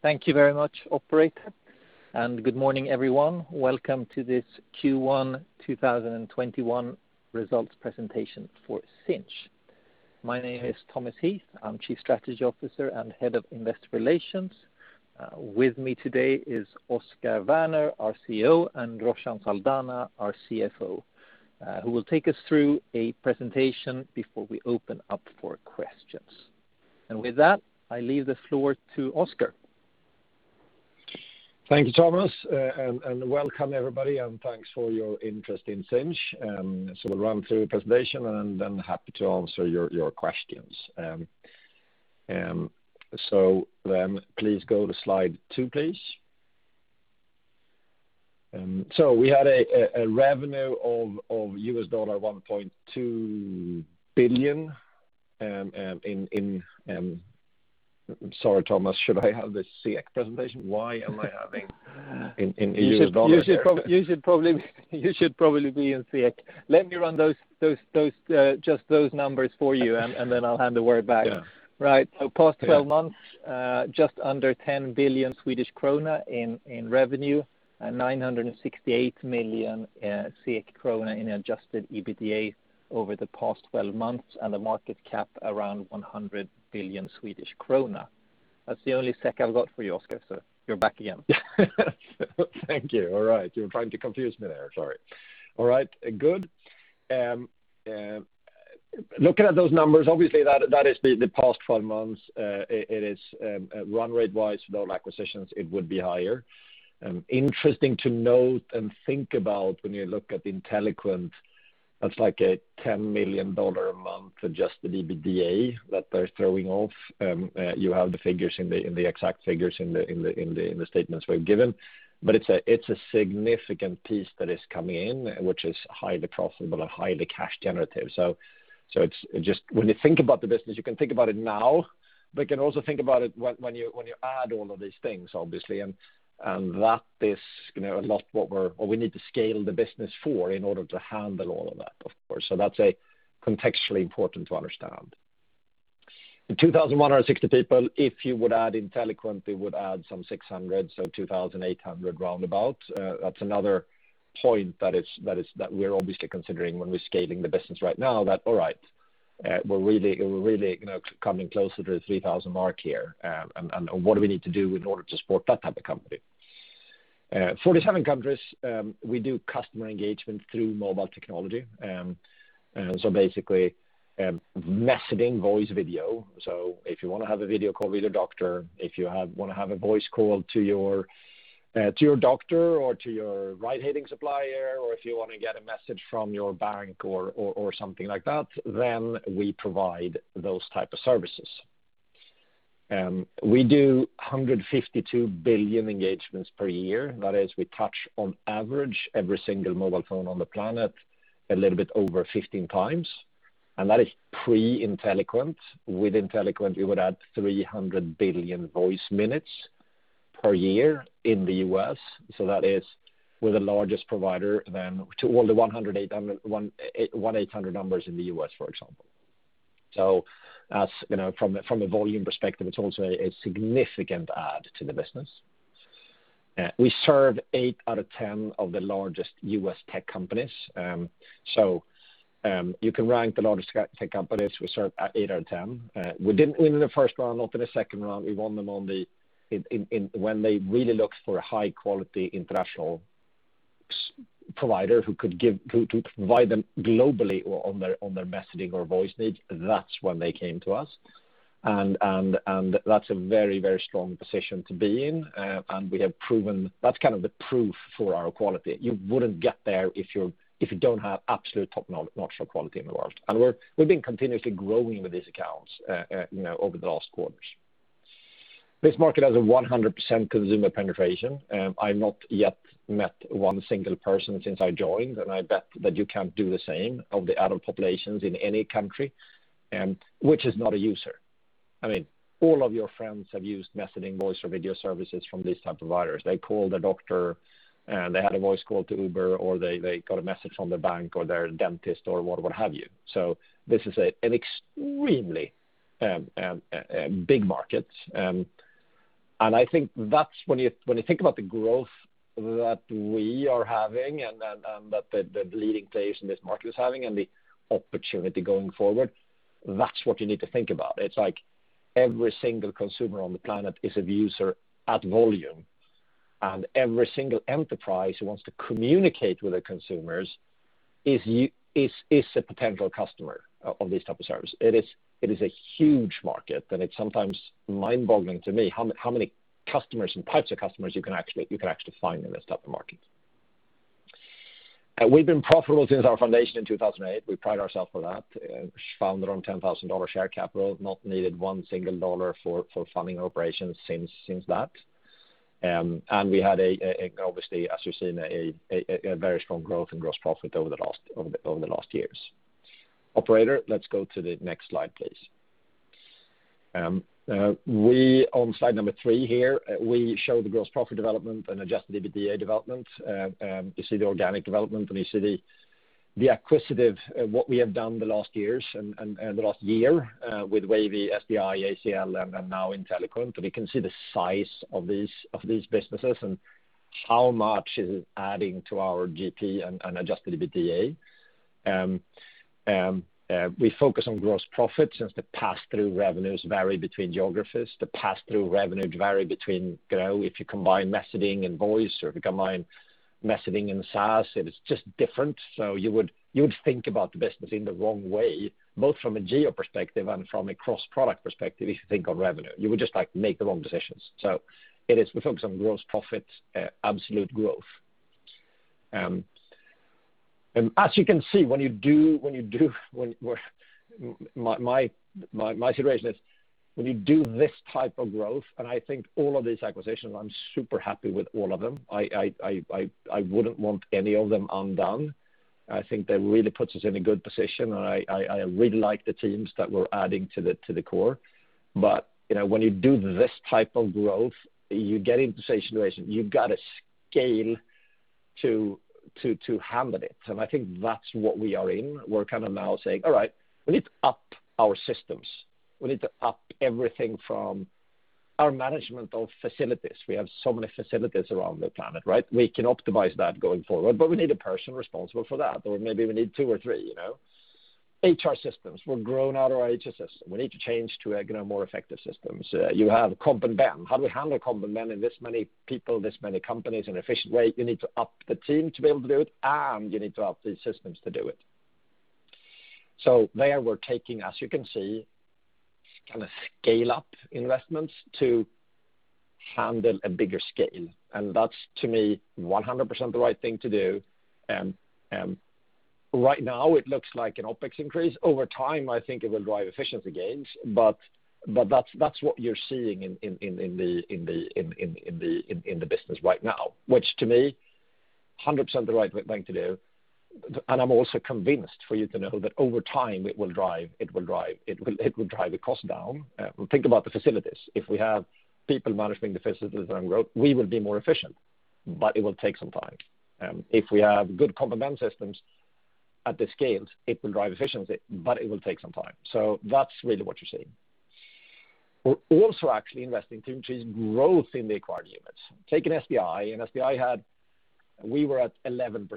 Thank you very much, operator, and good morning, everyone. Welcome to this Q1 2021 results presentation for Sinch. My name is Thomas Heath. I'm Chief Strategy Officer and Head of Investor Relations. With me today is Oscar Werner, our CEO, and Roshan Saldanha, our CFO, who will take us through a presentation before we open up for questions. With that, I leave the floor to Oscar. Thank you, Thomas, and welcome everybody, and thanks for your interest in Sinch. We'll run through the presentation, and then happy to answer your questions. Please go to slide two, please. We had a revenue of $1.2 billion in sorry, Thomas, should I have the Swedish krona presentation? Why am I having in U.S. dollar there? You should probably be in Swedish krona. Let me run just those numbers for you, and then I'll hand the word back. Yeah. Right. Past 12 months, just under 10 billion Swedish krona in revenue and 968 million krona in adjusted EBITDA over the past 12 months, and the market cap around 100 billion Swedish krona. That's the only SEK I've got for you, Oscar, so you're back again. Thank you. All right. You were trying to confuse me there. Sorry. All right. Good. Looking at those numbers, obviously, that is the past 12 months. It is run rate-wise without acquisitions, it would be higher. Interesting to note and think about when you look at Inteliquent, that's like a $10 million a month adjusted EBITDA that they're throwing off. You have the exact figures in the statements we've given. It's a significant piece that is coming in, which is highly profitable and highly cash generative. When you think about the business, you can think about it now, but you can also think about it when you add all of these things, obviously. That is a lot what we need to scale the business for in order to handle all of that, of course. That's contextually important to understand. In 2,160 people, if you would add Inteliquent, we would add some 600, so 2,800 roundabout. That's another point that we're obviously considering when we're scaling the business right now that, all right, we're really coming closer to the 3,000 mark here. What do we need to do in order to support that type of company? 47 countries. We do customer engagement through mobile technology. Basically, messaging, voice, video. If you want to have a video call with your doctor, if you want to have a voice call to your doctor or to your ride-hailing supplier, or if you want to get a message from your bank or something like that, then we provide those type of services. We do 152 billion engagements per year. We touch on average every single mobile phone on the planet a little bit over 15 times. That is pre-Inteliquent. With Inteliquent, we would add 300 billion voice minutes per year in the U.S. That is with the largest provider then to all the 1-800 numbers in the U.S., for example. From a volume perspective, it's also a significant add to the business. We serve eight out of 10 of the largest U.S. tech companies. You can rank the largest tech companies. We serve eight out of 10. We didn't win in the first round, not in the second round. We won them when they really looked for a high-quality international provider who could provide them globally on their messaging or voice needs. That's when they came to us. That's a very, very strong position to be in. We have proven that's kind of the proof for our quality. You wouldn't get there if you don't have absolute top-notch quality in the world. We've been continuously growing with these accounts over the last quarters. This market has a 100% consumer penetration. I've not yet met one single person since I joined, and I bet that you can't do the same, of the adult populations in any country which is not a user. I mean, all of your friends have used messaging, voice, or video services from these type of providers. They call the doctor, they had a voice call to Uber, or they got a message from their bank or their dentist or what have you. This is an extremely big market. I think that's when you think about the growth that we are having and that the leading players in this market is having and the opportunity going forward, that's what you need to think about. It's like every single consumer on the planet is a user at volume, and every single enterprise who wants to communicate with their consumers is a potential customer of this type of service. It is a huge market, and it's sometimes mind-boggling to me how many customers and types of customers you can actually find in this type of market. We've been profitable since our foundation in 2008. We pride ourselves for that. Founded on SEK 10,000 share capital, not needed one single dollar for funding operations since that. We had, obviously, as you've seen, a very strong growth in gross profit over the last years. Operator, let's go to the next slide, please. On slide number three here, we show the gross profit development and adjusted EBITDA development. You see the organic development, and you see the acquisitive, what we have done the last years and the last year, with Wavy, SDI, ACL, and now Inteliquent. You can see the size of these businesses and how much is it adding to our GP and adjusted EBITDA. We focus on gross profits since the pass-through revenues vary between geographies. The pass-through revenues vary between, if you combine messaging and voice, or if you combine messaging and SaaS, it is just different. You would think about the business in the wrong way, both from a geo perspective and from a cross-product perspective, if you think of revenue. You would just make the wrong decisions. It is, we focus on gross profits, absolute growth. As you can see, my situation is when you do this type of growth, and I think all of these acquisitions, I'm super happy with all of them. I wouldn't want any of them undone. I think that really puts us in a good position, and I really like the teams that we're adding to the core. When you do this type of growth, you get into a situation, you've got to scale to handle it. I think that's what we are in. We're now saying, "All right, we need to up our systems." We need to up everything from our management of facilities. We have so many facilities around the planet, right? We can optimize that going forward, but we need a person responsible for that, or maybe we need two or three. HR systems. We've grown out our HR system. We need to change to more effective systems. You have comp and ben. How do we handle comp and ben in this many people, this many companies in an efficient way? You need to up the team to be able to do it, and you need to up the systems to do it. There we're taking, as you can see, scale-up investments to handle a bigger scale. That's, to me, 100% the right thing to do. Right now, it looks like an OpEx increase. Over time, I think it will drive efficiency gains, but that's what you're seeing in the business right now, which to me, 100% the right thing to do. I'm also convinced for you to know that over time, it will drive the cost down. Think about the facilities. If we have people managing the facilities and growth, we will be more efficient, but it will take some time. If we have good comp and ben systems at this scale, it will drive efficiency, but it will take some time. That's really what you're seeing. We're also actually investing to increase growth in the acquired units. Take an SDI. An SDI had, we were at 11%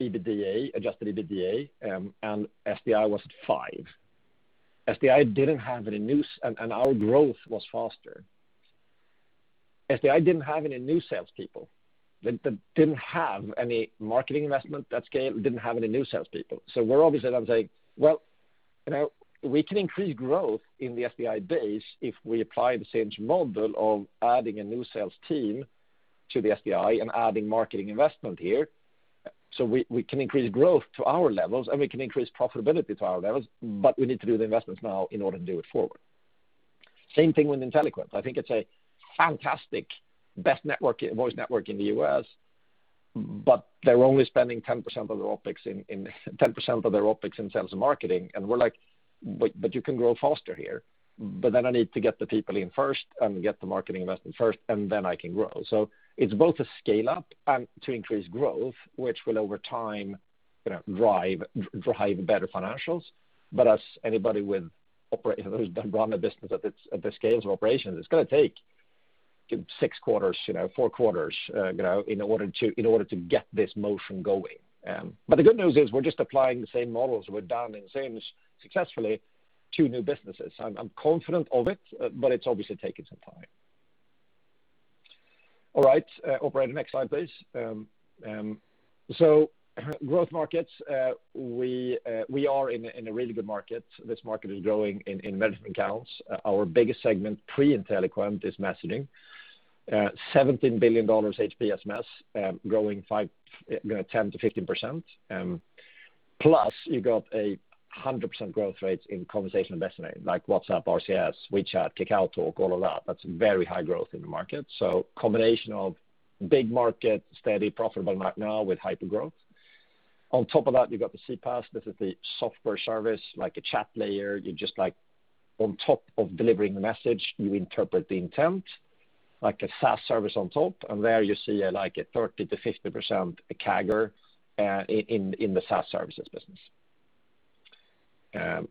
EBITDA, adjusted EBITDA, and SDI was at five. SDI didn't have any, and our growth was faster. SDI didn't have any new salespeople. They didn't have any marketing investment at scale, didn't have any new salespeople. We're obviously then saying, "Well, we can increase growth in the SDI base if we apply the Sinch model of adding a new sales team to the SDI and adding marketing investment here. We can increase growth to our levels, we can increase profitability to our levels, but we need to do the investments now in order to do it forward. Same thing with Inteliquent. I think it's a fantastic, best voice network in the U.S., they're only spending 10% of their OpEx in sales and marketing, and we're like, "You can grow faster here." I need to get the people in first and get the marketing investment first, then I can grow. It's both a scale-up and to increase growth, which will over time drive better financials. As anybody who's run a business at the scales of operations, it's going to take six quarters, four quarters, in order to get this motion going. The good news is we're just applying the same models we've done and same successfully to new businesses. I'm confident of it, but it's obviously taking some time. All right. Operator, next slide, please. Growth markets, we are in a really good market. This market is growing in management accounts. Our biggest segment pre-Inteliquent is messaging. 17 billion A2P SMS, growing 10%-15%. You got 100% growth rates in conversational messaging like WhatsApp, RCS, WeChat, KakaoTalk, all of that. That's very high growth in the market. Combination of big market, steady profitable right now with hypergrowth. On top of that, you've got the CPaaS. This is the software service, like a Chatlayer. You're just on top of delivering the message, you interpret the intent, like a SaaS service on top. There you see a 30%-50% CAGR in the SaaS services business.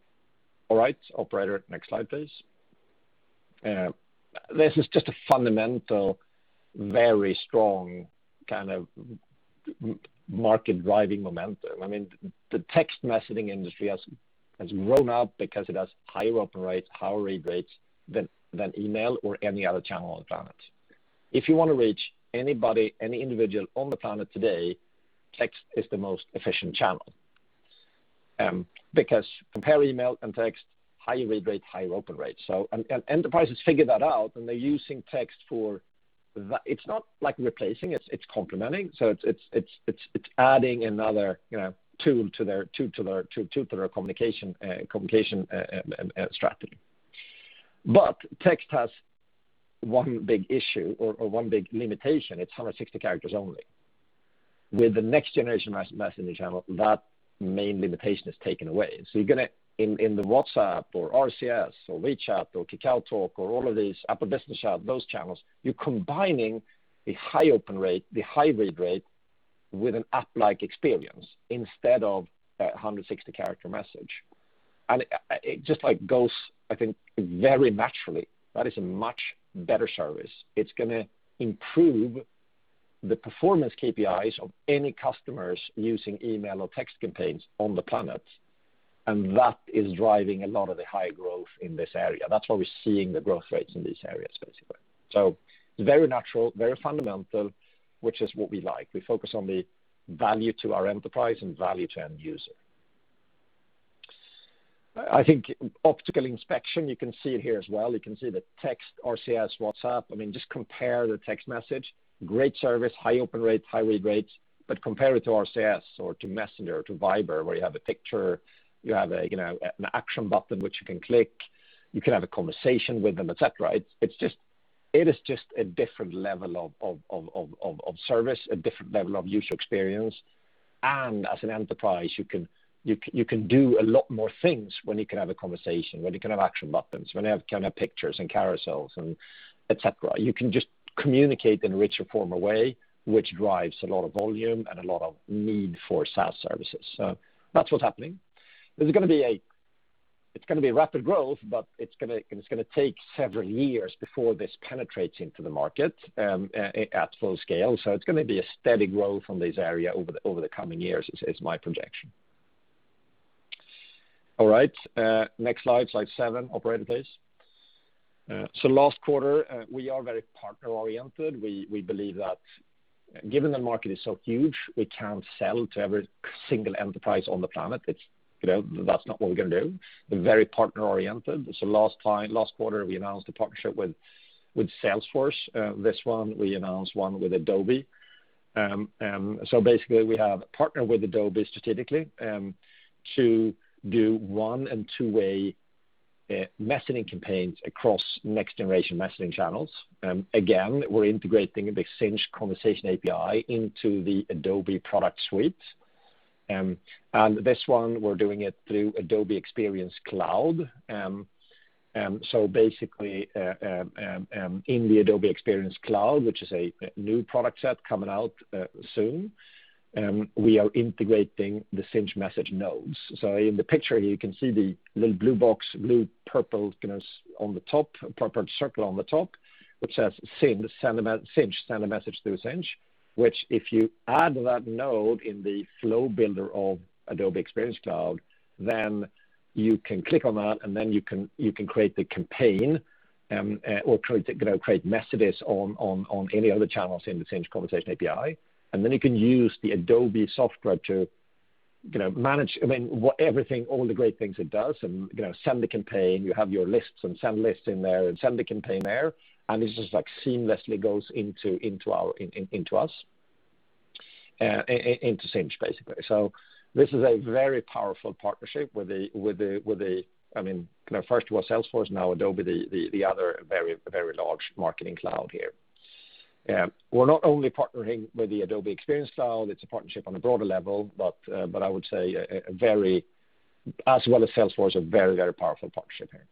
Operator, next slide, please. This is just a fundamental, very strong kind of market-driving momentum. The text messaging industry has grown up because it has higher open rates, higher read rates than email or any other channel on the planet. If you want to reach anybody, any individual on the planet today, text is the most efficient channel. Compare email and text, higher read rate, higher open rate. Enterprises figure that out and they're using text for that. It's not like replacing, it's complementing. It's adding another tool to their communication strategy. Text has one big issue or one big limitation, it's 160 characters only. With the next generation messaging channel, that main limitation is taken away. You're going to, in the WhatsApp or RCS or WeChat or KakaoTalk or all of these, Apple Business Chat, those channels, you're combining a high open rate, the high read rate with an app-like experience instead of 160-character message. It just goes, I think, very naturally. That is a much better service. It's going to improve the performance KPIs of any customers using email or text campaigns on the planet, and that is driving a lot of the high growth in this area. That's why we're seeing the growth rates in these areas, basically. Very natural, very fundamental, which is what we like. We focus on the value to our enterprise and value to end user. I think optical inspection, you can see it here as well. You can see the text, RCS, WhatsApp. Just compare the text message. Great service, high open rates, high read rates, but compare it to RCS or to Messenger or to Viber, where you have a picture, you have an action button which you can click, you can have a conversation with them, et cetera. It is just a different level of service, a different level of user experience. As an enterprise, you can do a lot more things when you can have a conversation, when you can have action buttons, when you have pictures and carousels, and et cetera. You can just communicate in a richer form away, which drives a lot of volume and a lot of need for SaaS services. That's what's happening. It's going to be a rapid growth, but it's going to take several years before this penetrates into the market at full scale. It's going to be a steady growth on this area over the coming years, is my projection. All right. Next slide seven, operator, please. Last quarter, we are very partner-oriented. We believe that given the market is so huge, we can't sell to every single enterprise on the planet. That's not what we're going to do. We're very partner-oriented. Last quarter, we announced a partnership with Salesforce. This one, we announced one with Adobe. Basically we have partnered with Adobe strategically to do one and two-way messaging campaigns across next-generation messaging channels. Again, we're integrating the Sinch Conversation API into the Adobe product suite. This one, we're doing it through Adobe Experience Cloud. Basically, in the Adobe Experience Cloud, which is a new product set coming out soon, we are integrating the Sinch message nodes. In the picture here, you can see the little blue box, blue purple on the top, purple circle on the top, which says Sinch, send a message through Sinch, which if you add that node in the flow builder of Adobe Experience Cloud, then you can click on that, then you can create the campaign, or create messages on any other channels in the Sinch Conversation API. Then you can use the Adobe software to manage everything, all the great things it does, and send the campaign. You have your lists and send lists in there and send the campaign there. This just seamlessly goes into us, into Sinch, basically. This is a very powerful partnership with the, first it was Salesforce, now Adobe, the other very large marketing cloud here. We're not only partnering with the Adobe Experience Cloud, it's a partnership on a broader level, but I would say, as well as Salesforce, a very, very powerful partnership here.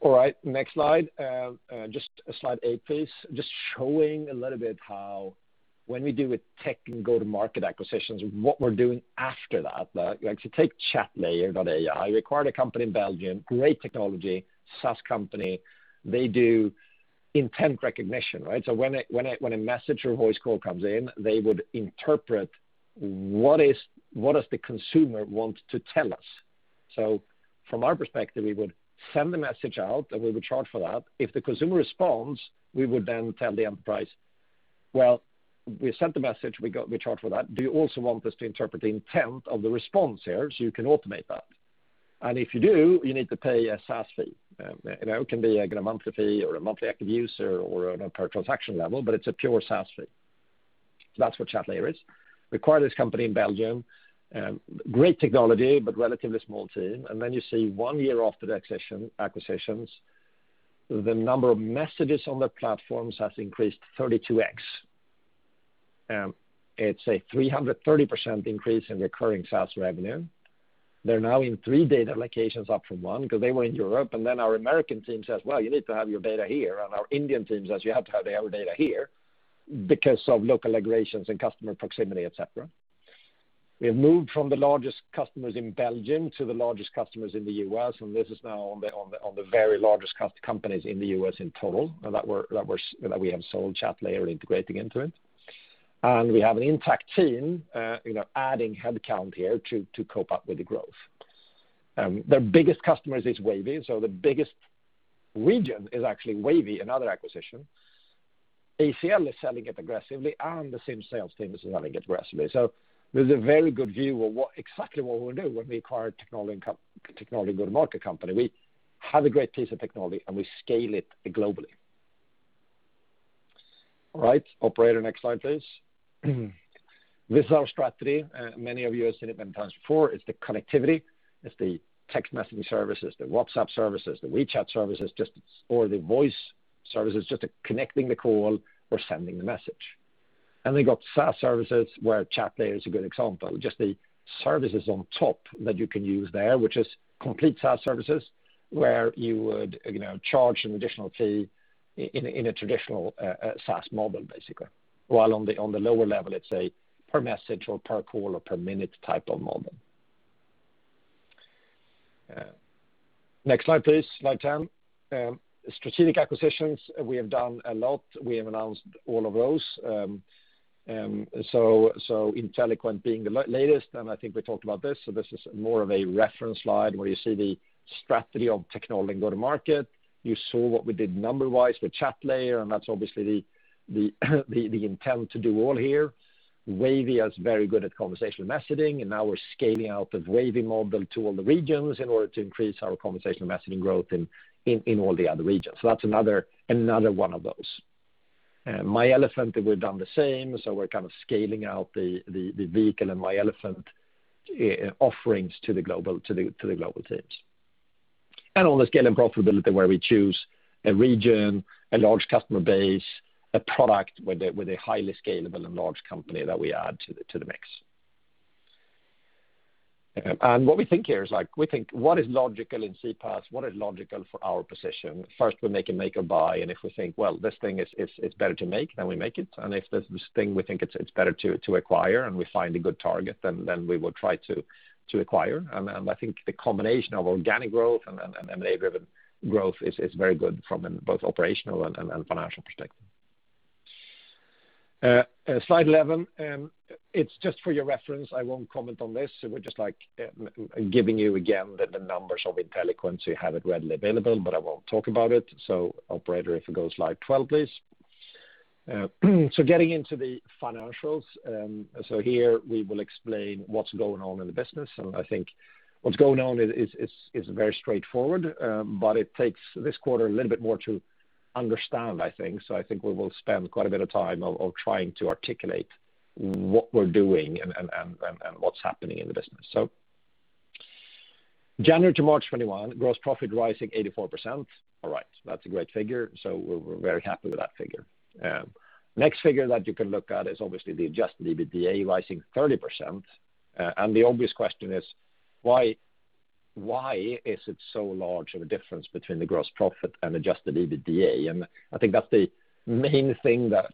All right, next slide. Just slide eight, please. Just showing a little bit how when we do tech go-to-market acquisitions, what we're doing after that. If you take Chatlayer.ai, we acquired a company in Belgium, great technology, SaaS company. They do intent recognition, right? When a message or voice call comes in, they would interpret what does the consumer want to tell us? From our perspective, we would send the message out, and we would charge for that. If the consumer responds, we would then tell the enterprise, "Well, we sent the message, we charge for that. Do you also want us to interpret the intent of the response here so you can automate that? If you do, you need to pay a SaaS fee." It can be a monthly fee or a monthly active user or on a per transaction level, but it's a pure SaaS fee. That's what Chatlayer is. Acquired this company in Belgium, great technology, but relatively small team. Then you see one year after the acquisitions, the number of messages on their platforms has increased 32x. It's a 330% increase in recurring SaaS revenue. They're now in three data locations, up from one, because they were in Europe, and then our American team says, "Well, you need to have your data here." And our Indian team says, "You have to have our data here," because of local regulations and customer proximity, et cetera. We have moved from the largest customers in Belgium to the largest customers in the U.S. This is now on the very largest companies in the U.S. in total that we have sold Chatlayer integrating into it. We have an intact team adding headcount here to cope up with the growth. Their biggest customers is Wavy. The biggest region is actually Wavy, another acquisition. ACL is selling it aggressively. The Sinch sales team is selling it aggressively. There's a very good view of exactly what we'll do when we acquire a technology go-to-market company. We have a great piece of technology. We scale it globally. All right. Operator, next slide, please. This is our strategy. Many of you have seen it many times before. It's the connectivity. It's the text messaging services, the WhatsApp services, the WeChat services, or the voice services, just connecting the call or sending the message. You got SaaS services, where Chatlayer is a good example. Just the services on top that you can use there, which is complete SaaS services, where you would charge an additional fee in a traditional SaaS model, basically. While on the lower level, it's a per message or per call or per minute type of model. Next slide, please. Slide 10. Strategic acquisitions, we have done a lot. We have announced all of those. Inteliquent being the latest, I think we talked about this is more of a reference slide where you see the strategy of technology go to market. You saw what we did number-wise with Chatlayer, that's obviously the intent to do all here. Wavy is very good at conversational messaging, and now we're scaling out the Wavy model to all the regions in order to increase our conversational messaging growth in all the other regions. That's another one of those. myElefant, we've done the same, so we're kind of scaling out the Wavy and myElefant offerings to the global teams. On the scale and profitability, where we choose a region, a large customer base, a product with a highly scalable and large company that we add to the mix. What we think here is, we think what is logical in CPaaS, what is logical for our position? First, we make a make or buy, and if we think, well, this thing is better to make, then we make it. If there's this thing, we think it's better to acquire, and we find a good target, then we will try to acquire. I think the combination of organic growth and M&A-driven growth is very good from both operational and financial perspective. Slide 11. It's just for your reference. I won't comment on this. We're just giving you, again, the numbers of Inteliquent so you have it readily available, but I won't talk about it. Operator, if it goes slide 12, please. Getting into the financials. Here we will explain what's going on in the business. I think what's going on is very straightforward. It takes this quarter a little bit more to understand, I think. I think we will spend quite a bit of time of trying to articulate what we're doing and what's happening in the business. January to March 2021, gross profit rising 84%. All right. That's a great figure. We're very happy with that figure. Next figure that you can look at is obviously the adjusted EBITDA rising 30%. The obvious question is, why is it so large of a difference between the gross profit and adjusted EBITDA? I think that's the main thing that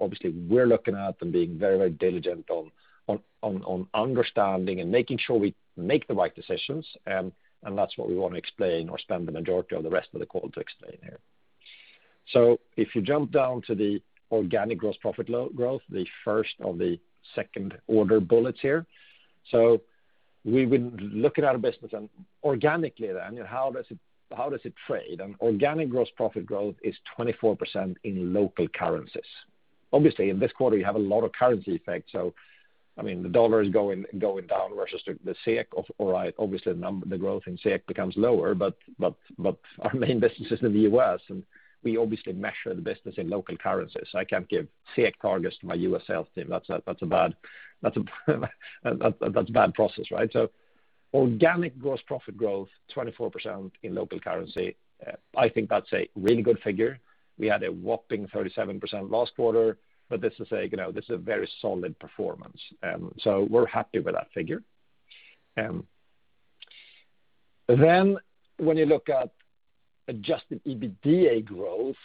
obviously we're looking at and being very diligent on understanding and making sure we make the right decisions. That's what we want to explain or spend the majority of the rest of the call to explain here. If you jump down to the organic gross profit growth, the first of the second-order bullets here. We would look at our business and organically then, how does it trade? Organic gross profit growth is 24% in local currencies. In this quarter, you have a lot of currency effect. I mean, the dollar is going down versus the Swedish krona. The growth in Swedish krona becomes lower. Our main business is in the U.S., and we obviously measure the business in local currencies. I can't give Swedish krona targets to my U.S. sales team. That's a bad process, right? Organic gross profit growth 24% in local currency. I think that's a really good figure. We had a whopping 37% last quarter, this is a very solid performance. We're happy with that figure. When you look at adjusted EBITDA growth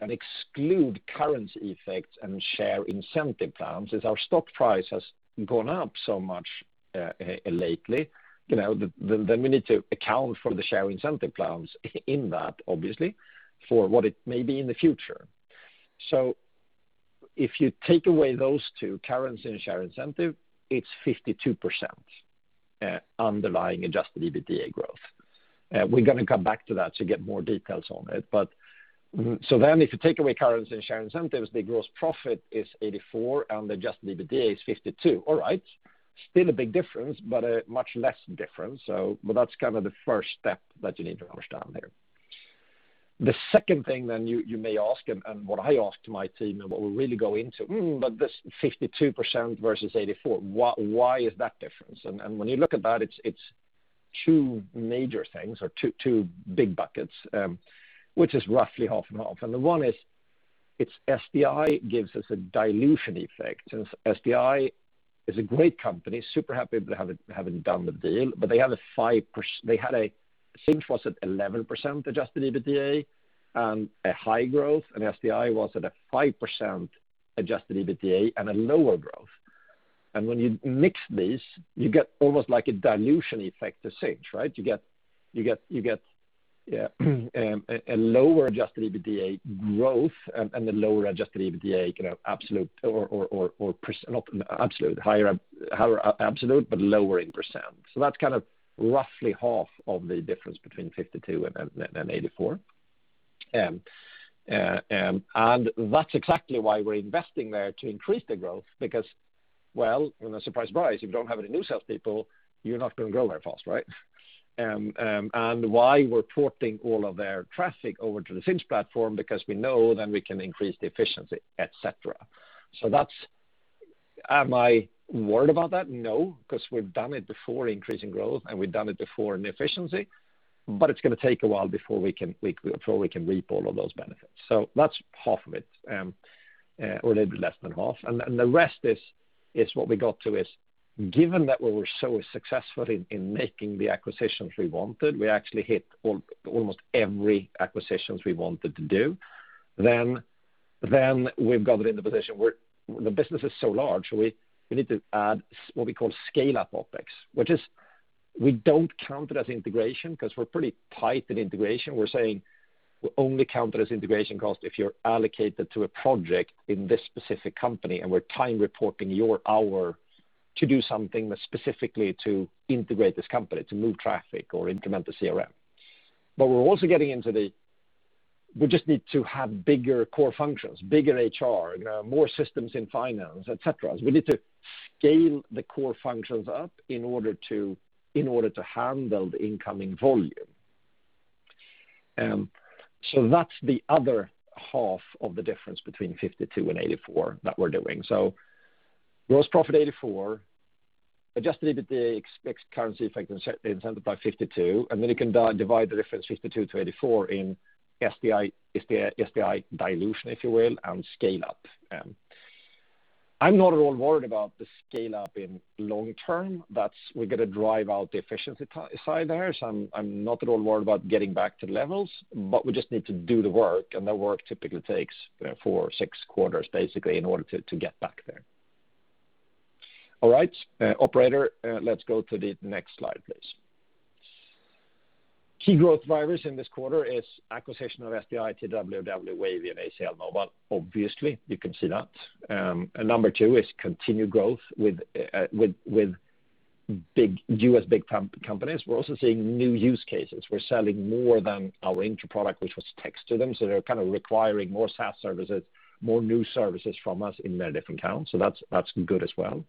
and exclude currency effects and share incentive plans, as our stock price has gone up so much lately, we need to account for the share incentive plans in that, obviously, for what it may be in the future. If you take away those two, currency and share incentive, it's 52% underlying adjusted EBITDA growth. We're going to come back to that to get more details on it. If you take away currency and share incentives, the gross profit is 84% and the adjusted EBITDA is 52%. All right. Still a big difference, but a much less difference. That's kind of the first step that you need to understand here. The second thing then you may ask, and what I ask to my team and what we really go into, this 52% versus 84%, why is that difference? When you look at that, it's two major things or two big buckets, which is roughly half and half. The one is, it's SDI gives us a dilution effect, since SDI is a great company, super happy having done the deal. Sinch was at 11% adjusted EBITDA and a high growth, and SDI was at a 5% adjusted EBITDA and a lower growth. When you mix these, you get almost like a dilution effect to Sinch, right? You get a lower adjusted EBITDA growth and a lower adjusted EBITDA absolute, higher absolute but lower in percent. That's kind of roughly half of the difference between 52% and 84%. That's exactly why we're investing there to increase the growth because, well, surprise, if you don't have any new sales people, you're not going to grow very fast, right? Why we're porting all of their traffic over to the Sinch platform, because we know then we can increase the efficiency, et cetera. Am I worried about that? No, because we've done it before increasing growth, and we've done it before in efficiency, but it's going to take a while before we can reap all of those benefits. That's half of it, or a little bit less than half. The rest is what we got to is given that we were so successful in making the acquisitions we wanted, we actually hit almost every acquisitions we wanted to do, then we've got it in the position where the business is so large, we need to add what we call scale-up OpEx, which is, we don't count it as integration because we're pretty tight in integration. We're saying we only count it as integration cost if you're allocated to a project in this specific company, and we're time reporting your hour to do something specifically to integrate this company, to move traffic or implement the CRM. We're also getting into, we just need to have bigger core functions, bigger HR, more systems in finance, et cetera. We need to scale the core functions up in order to handle the incoming volume. That's the other half of the difference between 52% and 84% that we're doing. Gross profit 84%, adjusted EBITDA, expects currency effect and incentive by 52%. You can divide the difference 52%-84% in SDI dilution, if you will, and scale up. I'm not at all worried about the scale up in long term. That's we're going to drive out the efficiency side there. I'm not at all worried about getting back to levels, we just need to do the work, and that work typically takes four to six quarters basically in order to get back there. All right. Operator, let's go to the next slide, please. Key growth drivers in this quarter is acquisition of SDI, TWW, Wavy, and ACL Mobile. Obviously, you can see that. Number two is continued growth with U.S. big companies. We're also seeing new use cases. We're selling more than our intro product, which was text to them. They're kind of requiring more SaaS services, more new services from us in their different accounts. That's good as well.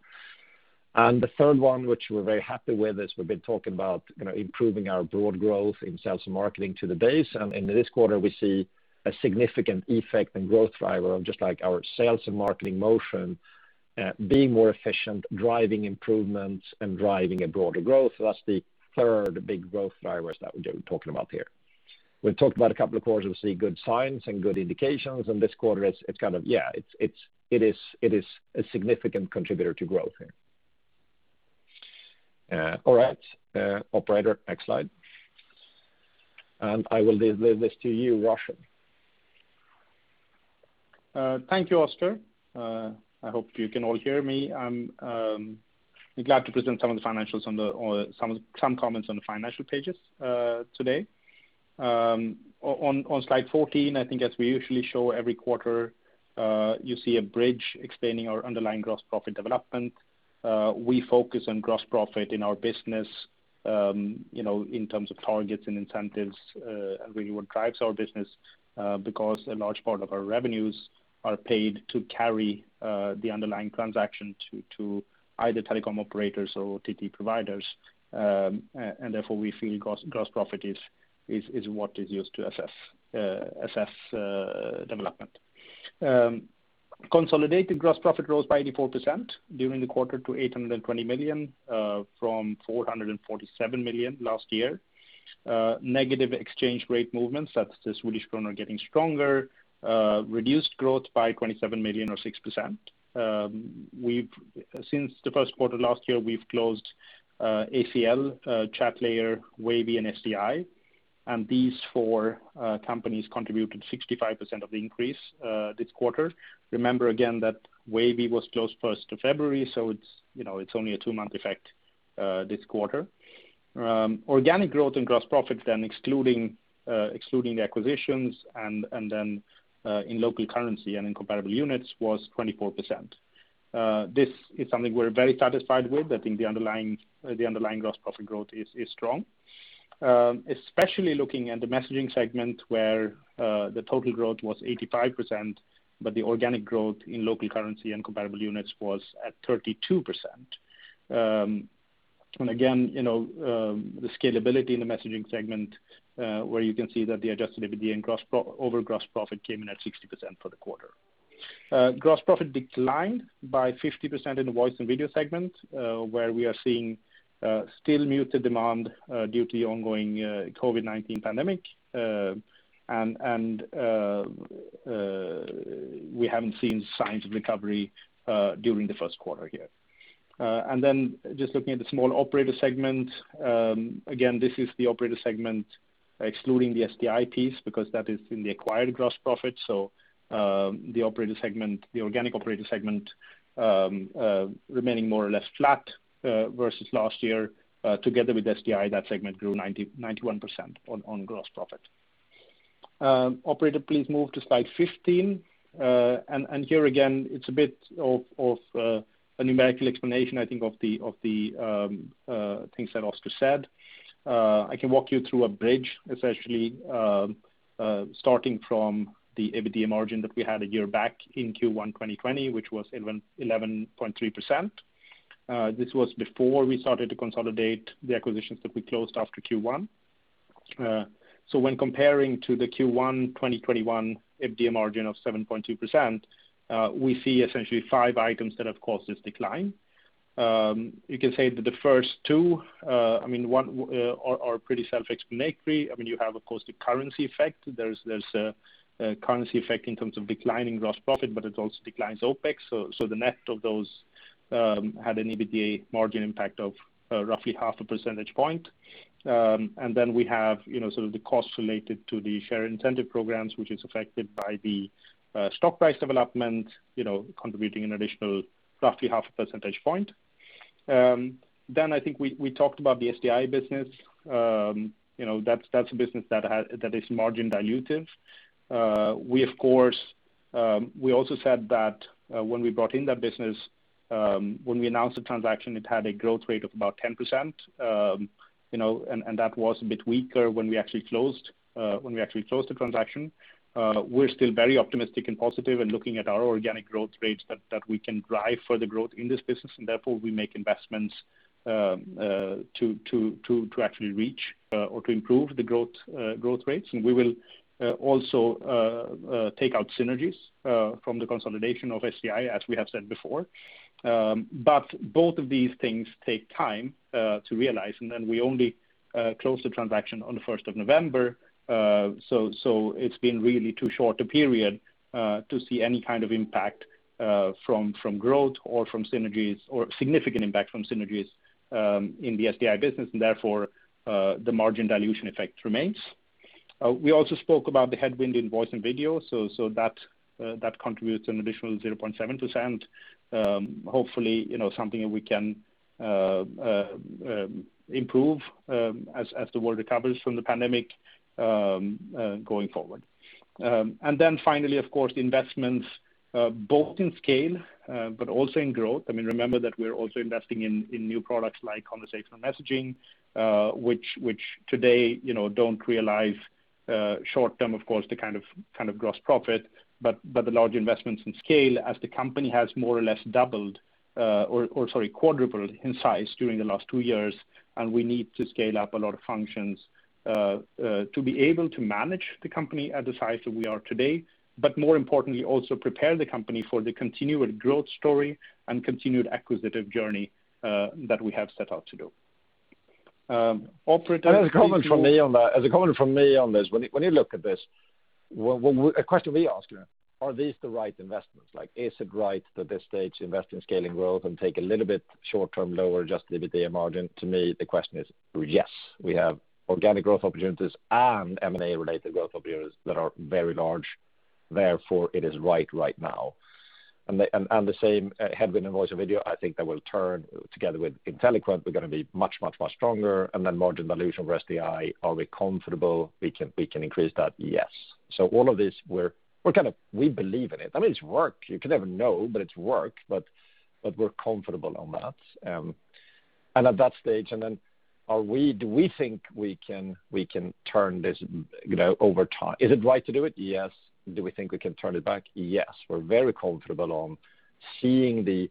The third one, which we're very happy with, is we've been talking about improving our broad growth in sales and marketing to the days. In this quarter, we see a significant effect in growth driver of just like our sales and marketing motion being more efficient, driving improvements and driving a broader growth. That's the third big growth drivers that we're talking about here. We've talked about a couple of quarters, we see good signs and good indications, this quarter it is a significant contributor to growth here. All right. Operator, next slide. I will leave this to you, Roshan. Thank you, Oscar. I hope you can all hear me. I'm glad to present some comments on the financial pages today. On slide 14, I think as we usually show every quarter, you see a bridge explaining our underlying gross profit development. We focus on gross profit in our business, in terms of targets and incentives, and really what drives our business, because a large part of our revenues are paid to carry the underlying transaction to either telecom operators or OTT providers. Therefore, we feel gross profit is what is used to assess development. Consolidated gross profit rose by 84% during the quarter to 820 million, from 447 million last year. Negative exchange rate movements, that's the Swedish krona getting stronger, reduced growth by 27 million or 6%. Since the first quarter last year, we've closed ACL, Chatlayer, Wavy, and SDI, and these four companies contributed 65% of the increase this quarter. Remember again that Wavy was closed 1st February, so it's only a two-month effect this quarter. Organic growth in gross profit then excluding the acquisitions and then in local currency and in comparable units was 24%. This is something we're very satisfied with. I think the underlying gross profit growth is strong. Especially looking at the messaging segment where the total growth was 85%, but the organic growth in local currency and comparable units was at 32%. Again, the scalability in the messaging segment, where you can see that the adjusted EBITDA over gross profit came in at 60% for the quarter. Gross profit declined by 50% in the voice and video segment, where we are seeing still muted demand due to the ongoing COVID-19 pandemic. We haven't seen signs of recovery during the first quarter here. Just looking at the small operator segment, again, this is the operator segment excluding the SDI piece because that is in the acquired gross profit. The organic operator segment, remaining more or less flat versus last year. Together with SDI, that segment grew 91% on gross profit. Operator, please move to slide 15. Here again, it's a bit of a numerical explanation, I think of the things that Oscar said. I can walk you through a bridge, essentially, starting from the EBITDA margin that we had a year back in Q1 2020, which was 11.3%. This was before we started to consolidate the acquisitions that we closed after Q1. When comparing to the Q1 2021 EBITDA margin of 7.2%, we see essentially five items that have caused this decline. You can say that the first two are pretty self-explanatory. You have, of course, the currency effect. There is a currency effect in terms of declining gross profit, but it also declines OpEx. The net of those had an EBITDA margin impact of roughly half a percentage point. We have sort of the cost related to the share incentive programs, which is affected by the stock price development, contributing an additional roughly half a percentage point. I think we talked about the SDI business. That is a business that is margin dilutive. We also said that when we brought in that business, when we announced the transaction, it had a growth rate of about 10%. That was a bit weaker when we actually closed the transaction. We're still very optimistic and positive in looking at our organic growth rates that we can drive further growth in this business, therefore, we make investments to actually reach or to improve the growth rates. We will also take out synergies from the consolidation of SDI, as we have said before. Both of these things take time to realize, we only closed the transaction on the 1st November. It's been really too short a period to see any kind of impact from growth or from synergies, or significant impact from synergies in the SDI business, the margin dilution effect remains. We also spoke about the headwind in voice and video, that contributes an additional 0.7%. Hopefully, something that we can improve as the world recovers from the pandemic going forward. Finally, of course, the investments both in scale but also in growth. Remember that we're also investing in new products like conversational messaging which today don't realize short term, of course, the kind of gross profit, but the large investments in scale as the company has more or less doubled, or, sorry, quadrupled in size during the last two years. We need to scale up a lot of functions to be able to manage the company at the size that we are today, but more importantly, also prepare the company for the continued growth story and continued acquisitive journey that we have set out to do. Operator. As a comment from me on this. When you look at this, a question we ask, are these the right investments? Is it right at this stage to invest in scaling growth and take a little bit short-term lower adjusted EBITDA margin? To me, the question is, yes. We have organic growth opportunities and M&A related growth opportunities that are very large, therefore it is right now. The same headwind in voice and video, I think that will turn together with Inteliquent. We're going to be much, much, much stronger. Margin dilution for SDI. Are we comfortable we can increase that? Yes. All of this, we believe in it. I mean, it's work. You can never know, but it's work, but we're comfortable on that. At that stage, do we think we can turn this over time? Is it right to do it? Yes. Do we think we can turn it back? Yes. We're very comfortable on seeing the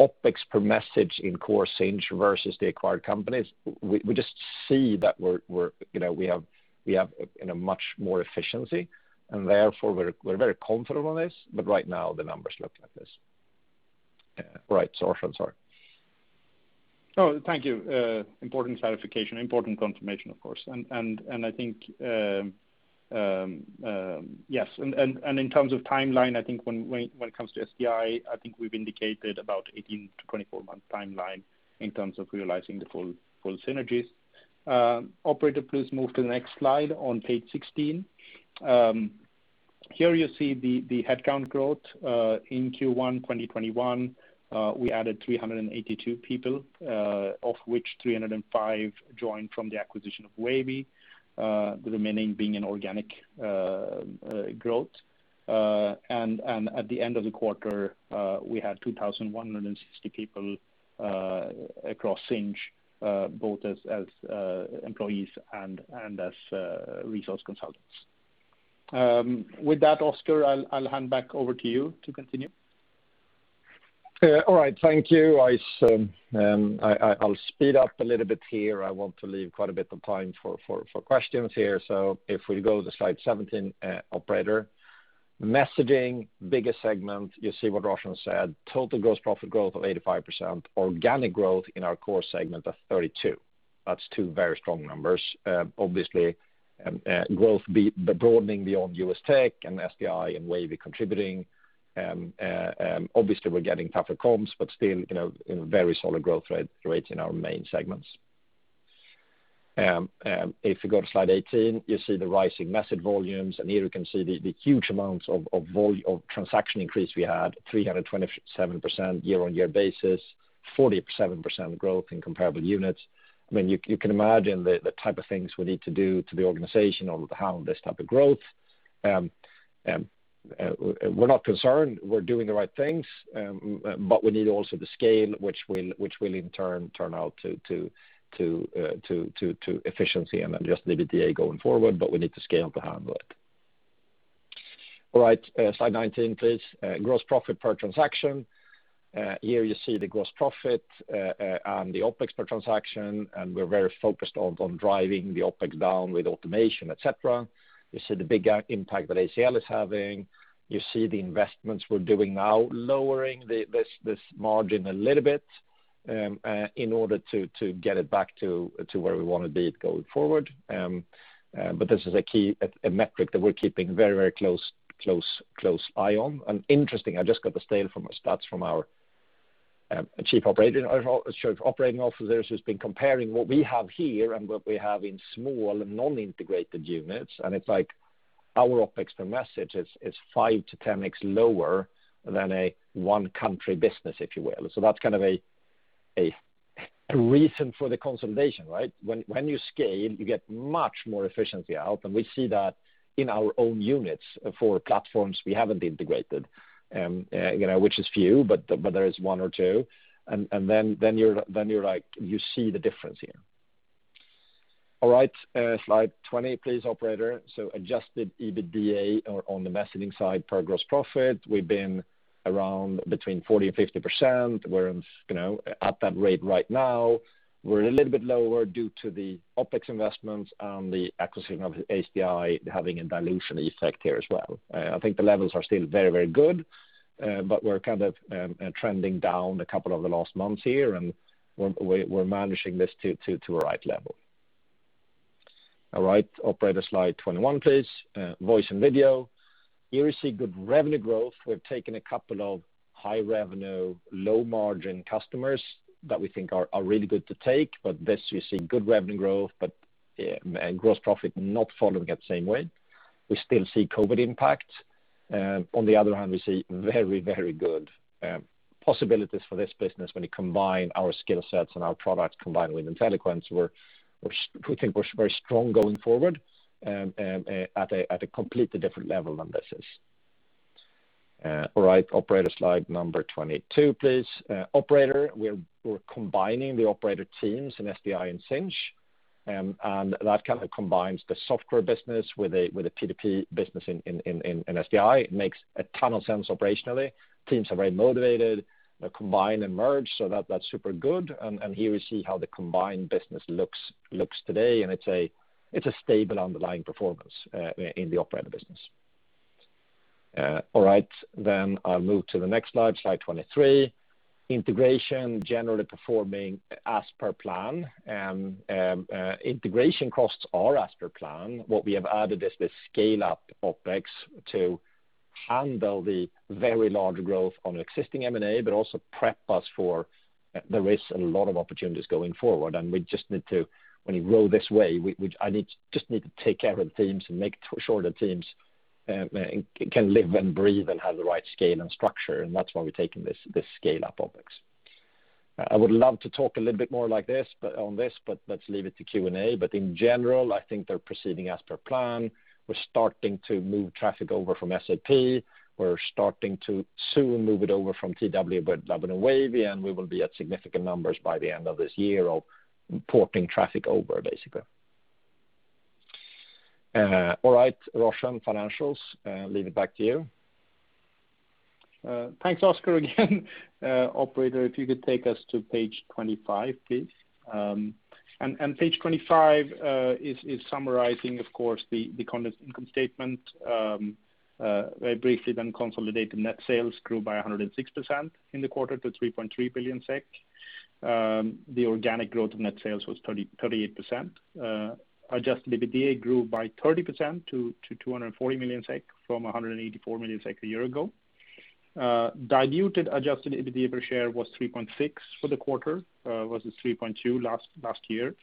OpEx per message in core Sinch versus the acquired companies. We just see that we have much more efficiency, and therefore we're very comfortable on this. Right now the numbers look like this. Right, Roshan, sorry. Oh, thank you. Important clarification, important confirmation, of course. I think, yes. In terms of timeline, I think when it comes to SDI, I think we've indicated about 18-24 month timeline in terms of realizing the full synergies. Operator, please move to the next slide on page 16. Here you see the headcount growth. In Q1 2021, we added 382 people, of which 305 joined from the acquisition of Wavy, the remaining being in organic growth. At the end of the quarter, we had 2,160 people across Sinch, both as employees and as resource consultants. With that, Oscar, I'll hand back over to you to continue. All right. Thank you. I'll speed up a little bit here. I want to leave quite a bit of time for questions here. If we go to slide 17, operator. Messaging, biggest segment. You see what Roshan said. Total gross profit growth of 85%. Organic growth in our core segment of 32%. That's two very strong numbers. Obviously, growth broadening beyond U.S. tech and SDI and Wavy contributing. Obviously, we're getting tougher comps, but still very solid growth rate in our main segments. If you go to slide 18, you see the rising message volumes. Here you can see the huge amounts of transaction increase we had, 327% year-on-year basis, 47% growth in comparable units. You can imagine the type of things we need to do to the organization to handle this type of growth. We're not concerned. We're doing the right things. We need also the scale which will in turn turn out to efficiency and adjusted EBITDA going forward, but we need to scale to handle it. All right, slide 19, please. Gross profit per transaction. Here you see the gross profit and the OpEx per transaction, and we're very focused on driving the OpEx down with automation, et cetera. You see the big impact that ACL is having. You see the investments we're doing now lowering this margin a little bit in order to get it back to where we want to be going forward. This is a key metric that we're keeping very close eye on. Interesting, I just got the stats from our Chief Operating Officer who's been comparing what we have here and what we have in small non-integrated units. It's like our OpEx per message is 5x-10x lower than a one country business, if you will. That's kind of a reason for the consolidation, right? When you scale, you get much more efficiency out. We see that in our own units for platforms we haven't integrated, which is few, but there is one or two. Then you see the difference here. All right, slide 20, please, operator. Adjusted EBITDA on the messaging side for gross profit, we've been around between 40%-50%, we're at that rate right now. We're a little bit lower due to the OpEx investments and the acquisition of SDI having a dilution effect here as well. I think the levels are still very good, but we're kind of trending down a couple of the last months here, and we're managing this to a right level. All right. Operator, slide 21, please. Voice and video. Here we see good revenue growth. We've taken a couple of high revenue, low margin customers that we think are really good to take. This, you see good revenue growth, but gross profit not following that same way. We still see COVID impact. On the other hand, we see very good possibilities for this business when you combine our skill sets and our products combined with Inteliquent, which we think we're very strong going forward, at a completely different level than this is. All right. Operator, slide number 22, please. Operator, we're combining the operator teams in SDI and Sinch, that kind of combines the software business with a P2P business in SDI. It makes a ton of sense operationally. Teams are very motivated, combined and merged, that's super good. Here we see how the combined business looks today, and it's a stable underlying performance in the operator business. I'll move to the next slide 23. Integration generally performing as per plan, and integration costs are as per plan. What we have added is the scale-up OpEx to handle the very large growth on an existing M&A, but also prep us for there is a lot of opportunities going forward, and when you roll this way, we just need to take care of the teams and make sure the teams can live and breathe and have the right scale and structure. That's why we're taking this scale-up OpEx. I would love to talk a little bit more on this, but let's leave it to Q&A. In general, I think they're proceeding as per plan. We're starting to move traffic over from SDI. We're starting to soon move it over from TWW, [ACL], and Wavy, and we will be at significant numbers by the end of this year of porting traffic over, basically. All right, Roshan, financials, leave it back to you. Thanks, Oscar, again. Operator, if you could take us to page 25, please. Page 25 is summarizing, of course, the condensed income statement. Very briefly, consolidated net sales grew by 106% in the quarter to 3.3 billion SEK. The organic growth net sales was 38%. Adjusted EBITDA grew by 30% to 240 million SEK from 184 million SEK a year ago. Diluted adjusted EBITDA per share was 3.6 for the quarter versus 3.2 last year.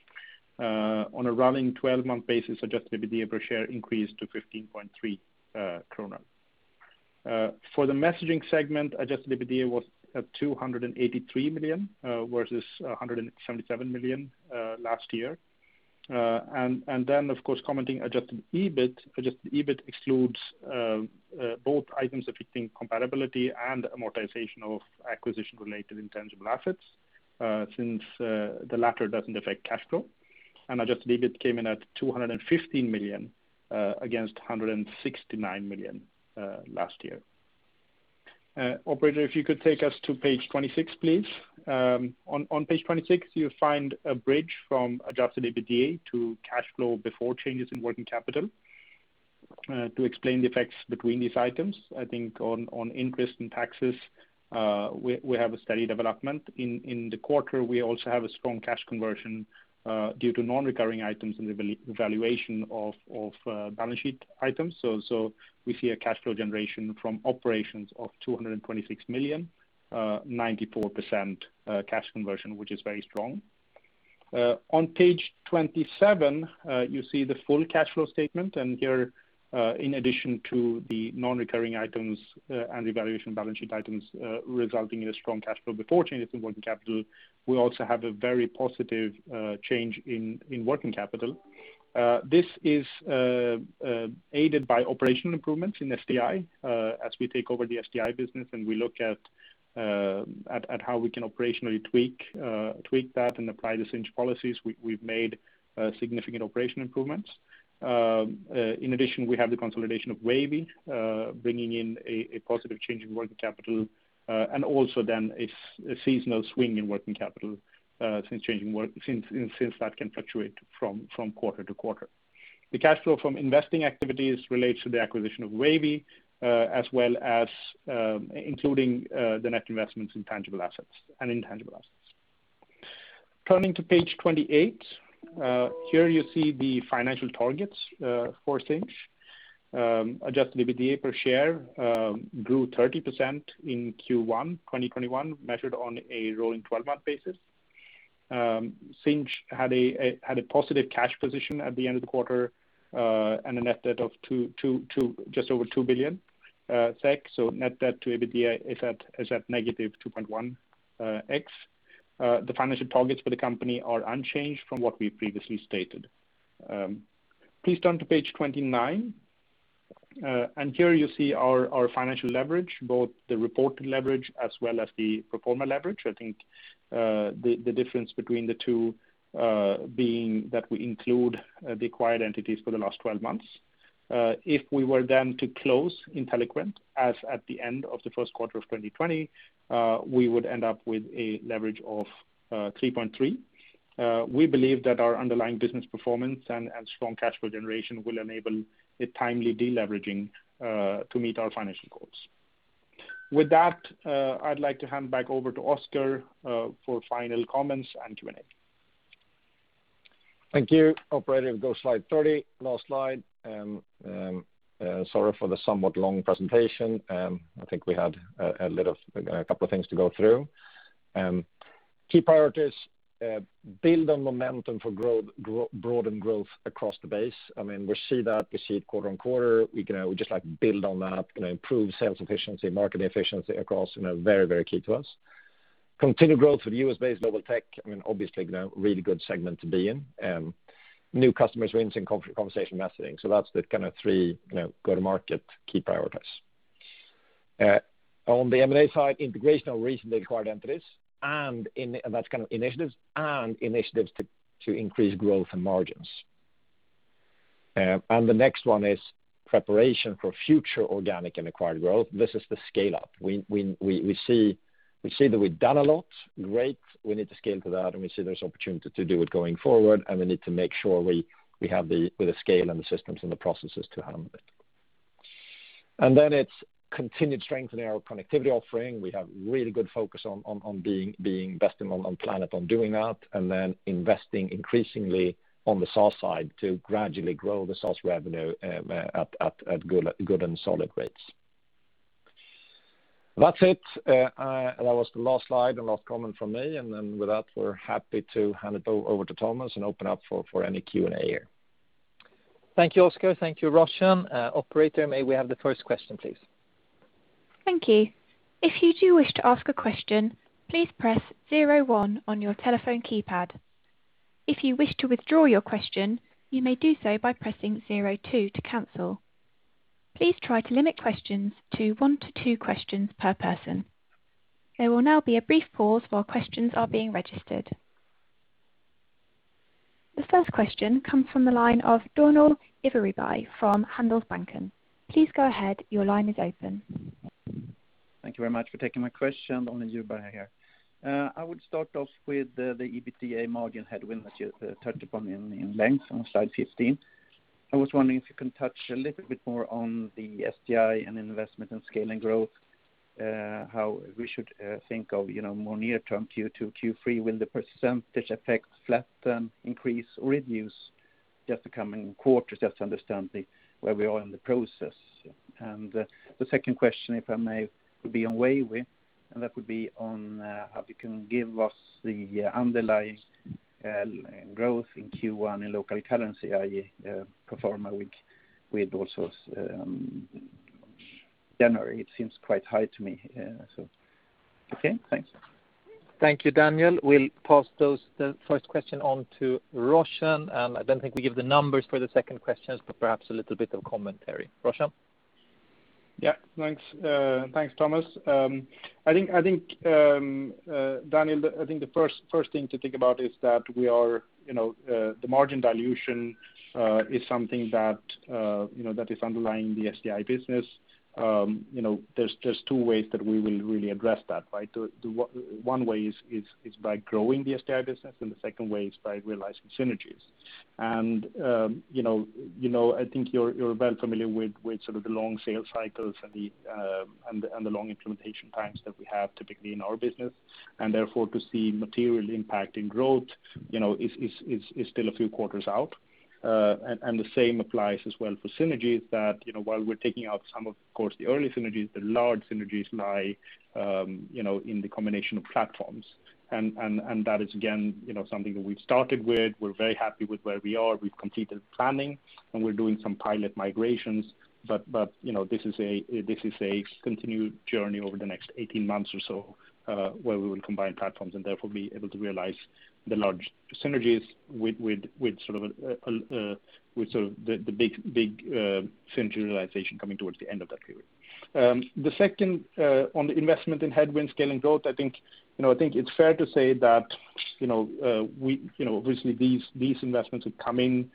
On a rolling 12-month basis, adjusted EBITDA per share increased to 15.3 krona. For the messaging segment, adjusted EBITDA was at 283 million versus 177 million last year. Of course, commenting adjusted EBIT. Adjusted EBIT excludes both items affecting comparability and amortization of acquisition-related intangible assets, since the latter doesn't affect cash flow. Adjusted EBIT came in at 215 million against 169 million last year. Operator, if you could take us to page 26, please. On page 26, you'll find a bridge from adjusted EBITDA to cash flow before changes in working capital. To explain the effects between these items, on interest and taxes, we have a steady development. In the quarter, we also have a strong cash conversion due to non-recurring items and the valuation of balance sheet items. We see a cash flow generation from operations of 226 million, 94% cash conversion, which is very strong. On page 27, you see the full cash flow statement, and here, in addition to the non-recurring items and the valuation of balance sheet items resulting in a strong cash flow before changes in working capital, we also have a very positive change in working capital. This is aided by operational improvements in SDI. As we take over the SDI business and we look at how we can operationally tweak that and apply the Sinch policies, we've made significant operation improvements. In addition, we have the consolidation of Wavy bringing in a positive change in working capital and also then a seasonal swing in working capital since that can fluctuate from quarter to quarter. The cash flow from investing activities relates to the acquisition of Wavy, as well as including the net investments in tangible assets and intangible assets. Turning to page 28. Here you see the financial targets for Sinch. Adjusted EBITDA per share grew 30% in Q1 2021, measured on a rolling 12-month basis. Sinch had a positive cash position at the end of the quarter, and a net debt of just over 2 billion SEK. Net debt to EBITDA is at -2.1x. The financial targets for the company are unchanged from what we previously stated. Please turn to page 29. Here you see our financial leverage, both the reported leverage as well as the pro forma leverage. I think the difference between the two being that we include the acquired entities for the last 12 months. If we were then to close Inteliquent as at the end of the first quarter of 2020, we would end up with a leverage of 3.3. We believe that our underlying business performance and strong cash flow generation will enable a timely de-leveraging to meet our financial goals. With that, I'd like to hand back over to Oscar for final comments and Q&A. Thank you. Operator, go slide 30. Last slide. Sorry for the somewhat long presentation. I think we had a couple of things to go through. Key priorities, build on momentum for growth, broaden growth across the base. We see that. We see it quarter-on-quarter. We just build on that, improve sales efficiency, marketing efficiency across, very key to us. Continued growth for the U.S.-based global tech, obviously, really good segment to be in. New customers wins and conversation messaging. That's the kind of three go-to-market key priorities. On the M&A side, integration of recently acquired entities, and initiatives to increase growth and margins. The next one is preparation for future organic and acquired growth. This is the scale-up. We see that we've done a lot. Great. We need to scale to that, and we see there's opportunity to do it going forward, and we need to make sure we have the scale and the systems and the processes to handle it. It's continued strengthening our connectivity offering. We have really good focus on investing on doing that, and then investing increasingly on the SaaS side to gradually grow the SaaS revenue at good and solid rates. That's it. That was the last slide and last comment from me. With that, we're happy to hand it over to Thomas and open up for any Q&A here. Thank you, Oscar. Thank you, Roshan. Operator, may we have the first question, please? Thank you. If you do wish to ask a question, please press zero one on your telephone keypad. If you wish to withdraw your question, you may do so by pressing zero two to cancel. Please try to limit questions to one to two questions per person. There will now be a brief pause while questions are being registered. The first question comes from the line of Daniel Djurberg from Handelsbanken. Please go ahead. Your line is open. Thank you very much for taking my question. Daniel Djurberg here. I would start off with the EBITDA margin headwind that you touched upon in length on slide 15. I was wondering if you can touch a little bit more on the SDI and investment in scale and growth, how we should think of more near term Q2, Q3. Will the percentage affect flatten, increase, or reduce the upcoming quarters, just to understand where we are in the process? The second question, if I may, would be on Wavy, and that would be on how you can give us the underlying growth in Q1 in local currency, i.e., pro forma, with also January. It seems quite high to me. Okay, thanks. Thank you, Daniel. We'll pass the first question on to Roshan. I don't think we give the numbers for the second questions, but perhaps a little bit of commentary. Roshan? Thanks, Thomas. Daniel, I think the first thing to think about is that the margin dilution is something that is underlying the SDI business. There's two ways that we will really address that, right? One way is by growing the SDI business, the second way is by realizing synergies. I think you're well familiar with sort of the long sales cycles and the long implementation times that we have typically in our business. Therefore, to see material impact in growth is still a few quarters out. The same applies as well for synergies that while we're taking out some, of course, the early synergies, the large synergies lie in the combination of platforms. That is, again something that we've started with. We're very happy with where we are. We've completed planning, and we're doing some pilot migrations. This is a continued journey over the next 18 months or so, where we will combine platforms and therefore be able to realize the large synergies with sort of the big synergy realization coming towards the end of that period. The second, on the investment in headwind scaling growth, I think it's fair to say that obviously these investments would come in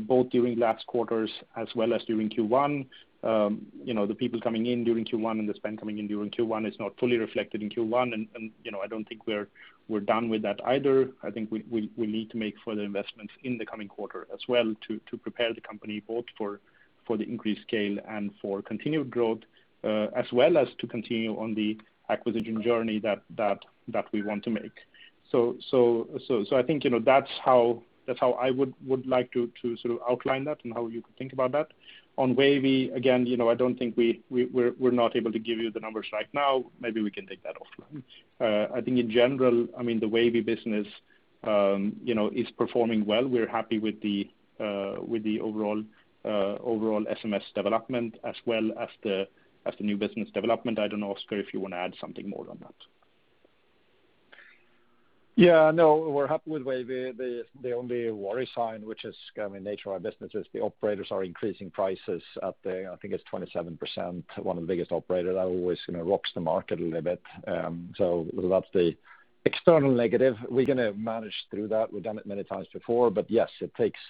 both during last quarters as well as during Q1. The people coming in during Q1 and the spend coming in during Q1 is not fully reflected in Q1, and I don't think we're done with that either. I think we need to make further investments in the coming quarter as well to prepare the company both for the increased scale and for continued growth, as well as to continue on the acquisition journey that we want to make. I think that's how I would like to outline that and how you could think about that. On Wavy, again, we're not able to give you the numbers right now. Maybe we can take that offline. I think in general, the Wavy business is performing well. We're happy with the overall SMS development as well as the new business development. I don't know, Oscar, if you want to add something more on that. Yeah, no, we're happy with Wavy. The only worry sign, which is nature of our business, is the operators are increasing prices up, I think it's 27%, one of the biggest operator that always rocks the market a little bit. That's the external negative. We're going to manage through that. We've done it many times before. Yes, it takes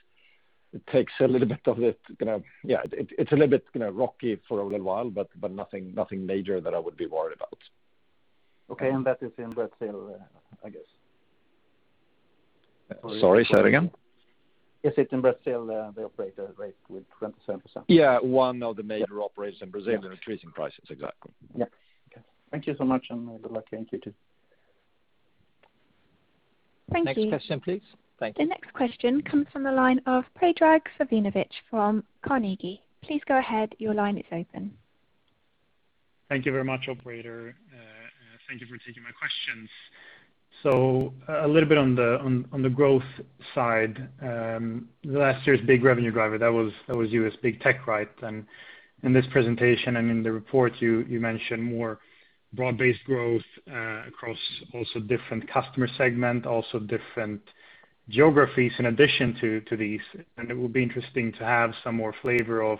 a little bit of it. It's a little bit rocky for a little while, but nothing major that I would be worried about. Okay. That is in Brazil, I guess. Sorry, say that again. Is it in Brazil, the operator rate with 27%? Yeah. One of the major operators in Brazil. Yeah. They're increasing prices. Exactly. Yeah. Okay. Thank you so much, and good luck in Q2. Thank you. Next question, please. Thank you. The next question comes from the line of Predrag Savinovic from Carnegie. Please go ahead. Your line is open. Thank you very much, operator. Thank you for taking my questions. A little bit on the growth side. Last year's big revenue driver, that was U.S. big tech, right? In this presentation, in the report, you mentioned more broad-based growth, across also different customer segment, also different geographies in addition to these. It would be interesting to have some more flavor of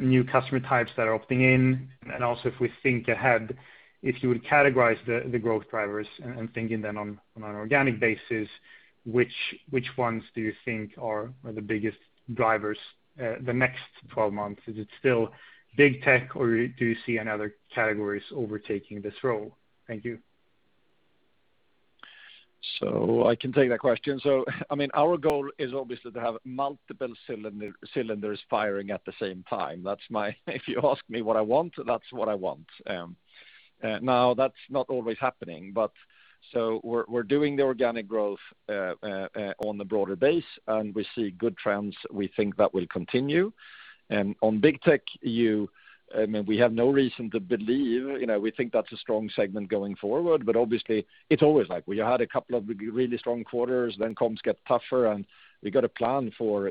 new customer types that are opting in. Also if we think ahead, if you would categorize the growth drivers and thinking then on an organic basis, which ones do you think are the biggest drivers the next 12 months? Is it still big tech, or do you see any other categories overtaking this role? Thank you. I can take that question. Our goal is obviously to have multiple cylinders firing at the same time. If you ask me what I want, that's what I want. Now, that's not always happening. We're doing the organic growth on the broader base, and we see good trends. We think that will continue. On big tech, we have no reason to believe. We think that's a strong segment going forward. Obviously it's always like we had a couple of really strong quarters, then comps get tougher and we've got to plan for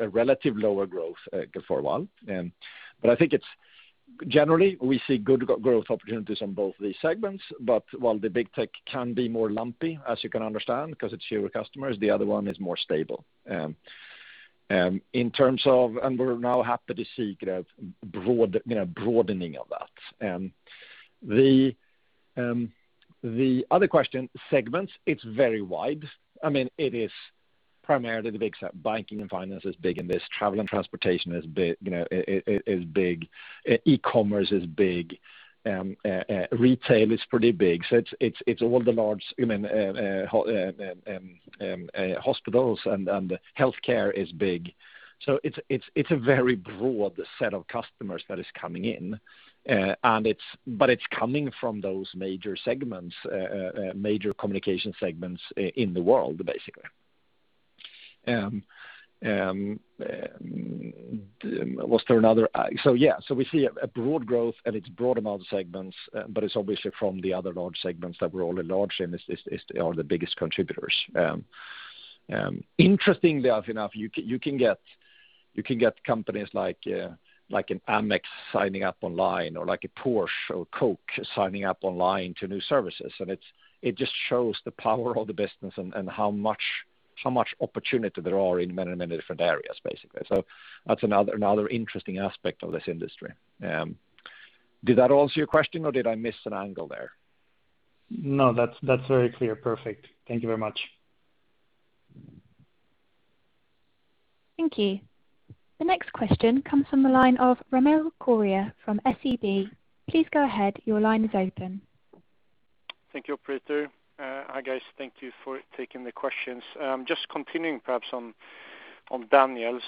a relative lower growth for a while. I think it's generally we see good growth opportunities on both these segments. While the big tech can be more lumpy, as you can understand, because it's your customers, the other one is more stable. We're now happy to see broadening of that. The other question, segments, it's very wide. It is primarily the big banking and finance is big in this. Travel and transportation is big. E-commerce is big. Retail is pretty big. It's all the large hospitals and healthcare is big. It's a very broad set of customers that is coming in. It's coming from those major communication segments in the world, basically. Was there another? Yeah. We see a broad growth and it's broad amount of segments, but it's obviously from the other large segments that we're all large in are the biggest contributors. Interestingly enough, you can get companies like an Amex signing up online or like a Porsche or Coke signing up online to new services, it just shows the power of the business and how much opportunity there are in many different areas, basically. That's another interesting aspect of this industry. Did that answer your question or did I miss an angle there? No, that's very clear. Perfect. Thank you very much. Thank you. The next question comes from the line of Ramil Koria from SEB. Please go ahead. Your line is open. Thank you, operator. Hi, guys. Thank you for taking the questions. Continuing perhaps on Daniel's,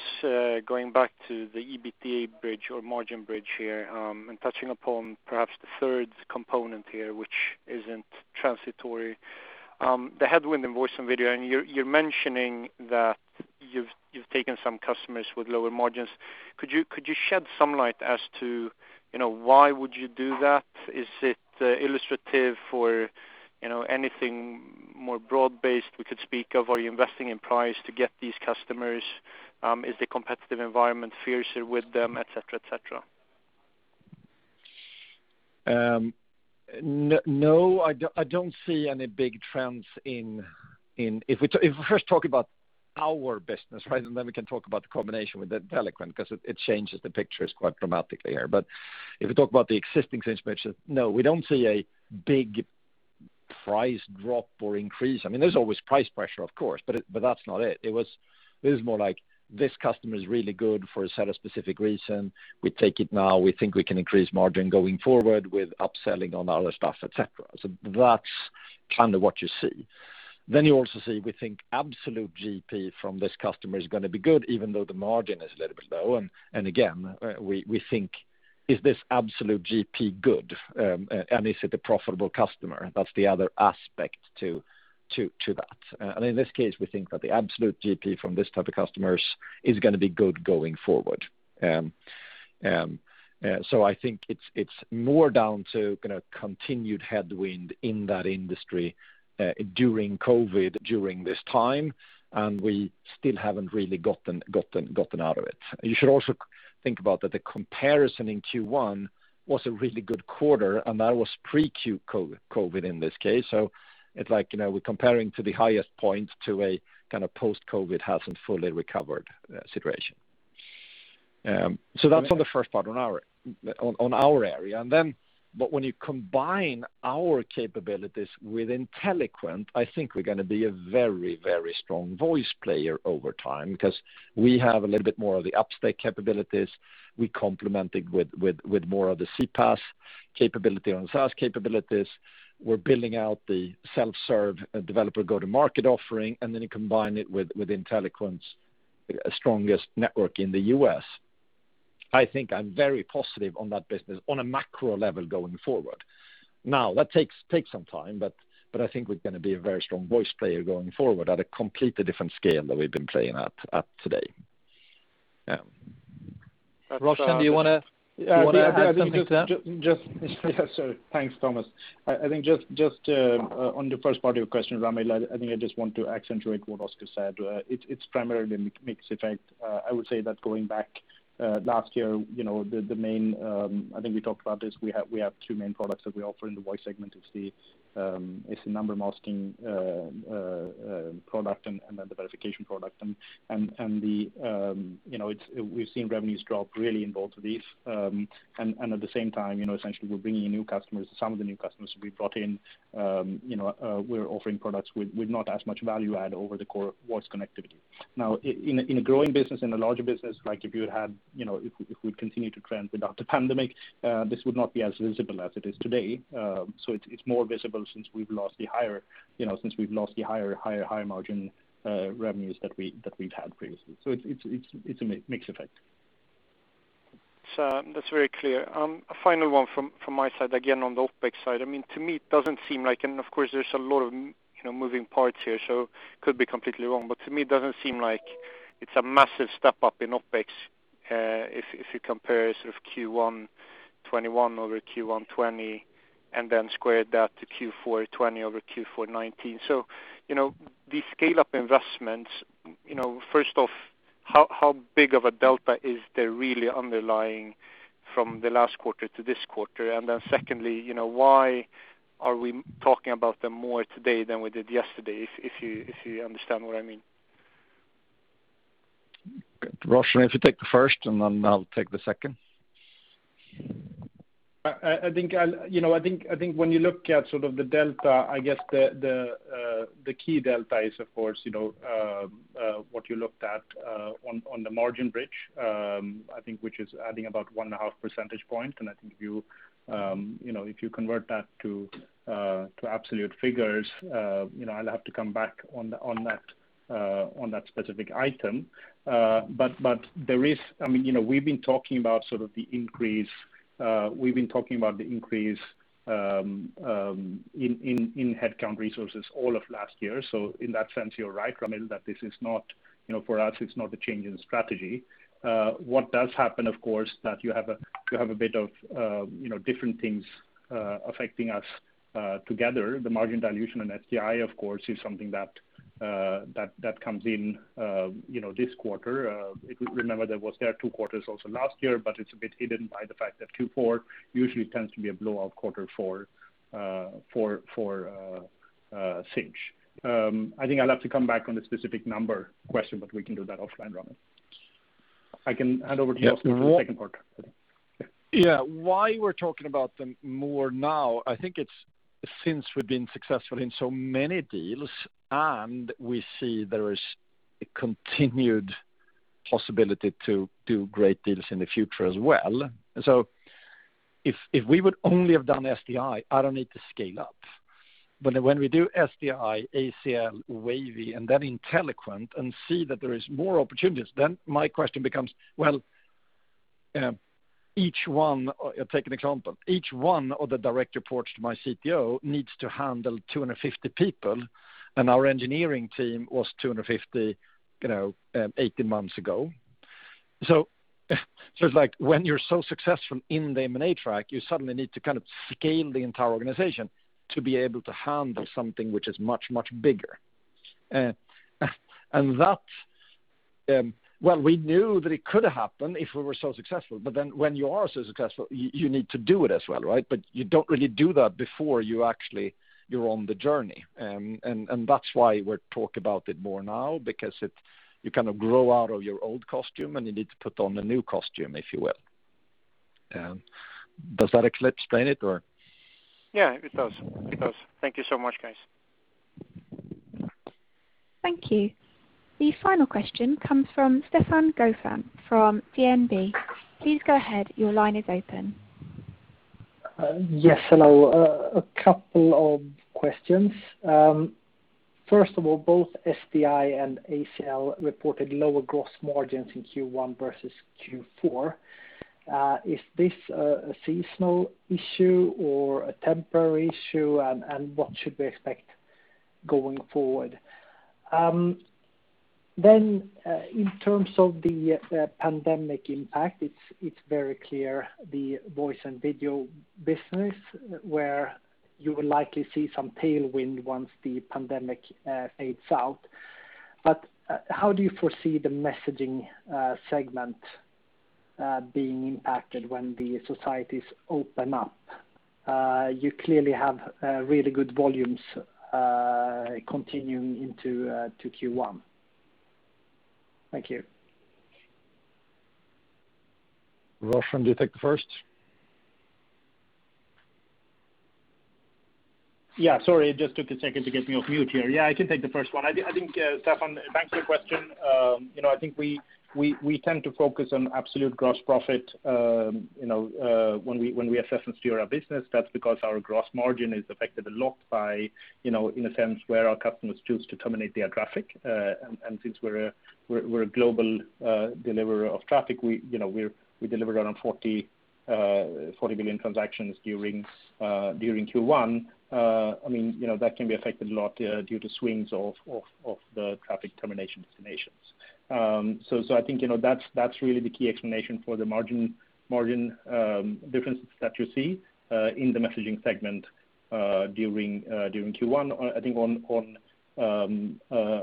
going back to the EBITDA bridge or margin bridge here, and touching upon perhaps the third component here, which isn't transitory. The headwind in voice and video, you're mentioning that you've taken some customers with lower margins. Could you shed some light as to why would you do that? Is it illustrative or anything more broad-based we could speak of? Are you investing in price to get these customers? Is the competitive environment fiercer with them, et cetera? No, I don't see any big trends. If we first talk about our business, right? We can talk about the combination with Inteliquent because it changes the pictures quite dramatically here. If we talk about the existing Sinch picture, no, we don't see a big price drop or increase. There's always price pressure, of course, but that's not it. It was more like, this customer is really good for a set of specific reasons. We take it now. We think we can increase margin going forward with upselling on other stuff, et cetera. That's what you see. You also see, we think absolute GP from this customer is going to be good even though the margin is a little bit low. Again, we think, is this absolute GP good? Is it a profitable customer? That's the other aspect to that. In this case, we think that the absolute GP from this type of customers is going to be good going forward. I think it's more down to continued headwind in that industry during COVID, during this time, and we still haven't really gotten out of it. You should also think about that the comparison in Q1 was a really good quarter, and that was pre-COVID in this case. It's like we're comparing to the highest point to a post-COVID hasn't fully recovered situation. That's on the first part, on our area. When you combine our capabilities with Inteliquent, I think we're going to be a very strong voice player over time because we have a little bit more of the upstack capabilities. We complement it with more of the CPaaS capability and the SaaS capabilities. We're building out the self-serve developer go-to-market offering, and then you combine it with Inteliquent's strongest network in the U.S. I think I'm very positive on that business on a macro level going forward. Now, that takes some time, but I think we're going to be a very strong voice player going forward at a completely different scale than we've been playing at today. Roshan, do you want to add something to that? Yeah. Sorry. Thanks, Thomas. I think just on the first part of your question, Ramil, I think I just want to accentuate what Oscar said. It's primarily a mix effect. I would say that going back, last year, I think we talked about this, we have two main products that we offer in the voice segment. It's the number masking product and then the verification product. We've seen revenues drop really in both of these. At the same time, essentially, we're bringing in new customers. Some of the new customers we brought in, we're offering products with not as much value add over the core voice connectivity. Now, in a growing business, in a larger business, like if we'd continue to trend without the pandemic, this would not be as visible as it is today. It's more visible since we've lost the higher margin revenues that we've had previously. It's a mix effect. That's very clear. A final one from my side, again, on the OpEx side. To me, it doesn't seem like, and of course, there's a lot of moving parts here, so could be completely wrong, but to me, it doesn't seem like it's a massive step-up in OpEx, if you compare sort of Q1 2021 over Q1 2020, and then squared that to Q4 2020 over Q4 2019. These scale-up investments, first off, how big of a delta is there really underlying from the last quarter to this quarter? Secondly, why are we talking about them more today than we did yesterday, if you understand what I mean? Good. Roshan, if you take the first, I'll take the second. I think when you look at sort of the delta, I guess the key delta is, of course, what you looked at on the margin bridge, I think which is adding about 1.5 Percentage point. I think if you convert that to absolute figures, I'll have to come back on that specific item. We've been talking about the increase in headcount resources all of last year. In that sense, you're right, Ramil, that for us, it's not a change in strategy. What does happen, of course, that you have a bit of different things affecting us together. The margin dilution and SDI, of course, is something that comes in this quarter. If we remember that was there two quarters also last year, but it's a bit hidden by the fact that Q4 usually tends to be a blowout quarter for Sinch. I think I'll have to come back on the specific number question, but we can do that offline, Ramil. I can hand over to you for the second part. Yeah. Why we're talking about them more now, I think it's since we've been successful in so many deals, and we see there is a continued possibility to do great deals in the future as well. If we would only have done SDI, I don't need to scale up. When we do SDI, ACL, Wavy, and then Inteliquent, and see that there is more opportunities, then my question becomes, well, each one, taking example, each one of the direct reports to my CTO needs to handle 250 people, and our engineering team was 250, 18 months ago. It's like when you're so successful in the M&A track, you suddenly need to kind of scale the entire organization to be able to handle something which is much, much bigger. We knew that it could happen if we were so successful, but then when you are so successful, you need to do it as well, right? You don't really do that before you actually, you're on the journey. That's why we talk about it more now because you kind of grow out of your old costume and you need to put on a new costume, if you will. Does that explain it? Yeah, it does. Thank you so much, guys. Thank you. The final question comes from Stefan Gauffin from DNB. Please go ahead. Your line is open. Yes, hello. A couple of questions. First of all, both SDI and ACL reported lower gross margins in Q1 versus Q4. Is this a seasonal issue or a temporary issue, and what should we expect going forward? In terms of the pandemic impact, it's very clear the voice and video business, where you will likely see some tailwind once the pandemic fades out. How do you foresee the messaging segment being impacted when the societies open up? You clearly have really good volumes continuing into Q1. Thank you. Roshan, do you take the first? Sorry, it just took a second to get me off mute here. I can take the first one. Stefan, thanks for the question. I think we tend to focus on absolute gross profit when we assess and steer our business. That's because our gross margin is affected a lot by, in a sense, where our customers choose to terminate their traffic. Since we're a global deliverer of traffic, we delivered around 40 billion transactions during Q1. That can be affected a lot due to swings of the traffic termination destinations. I think, that's really the key explanation for the margin differences that you see in the messaging segment during Q1. I think on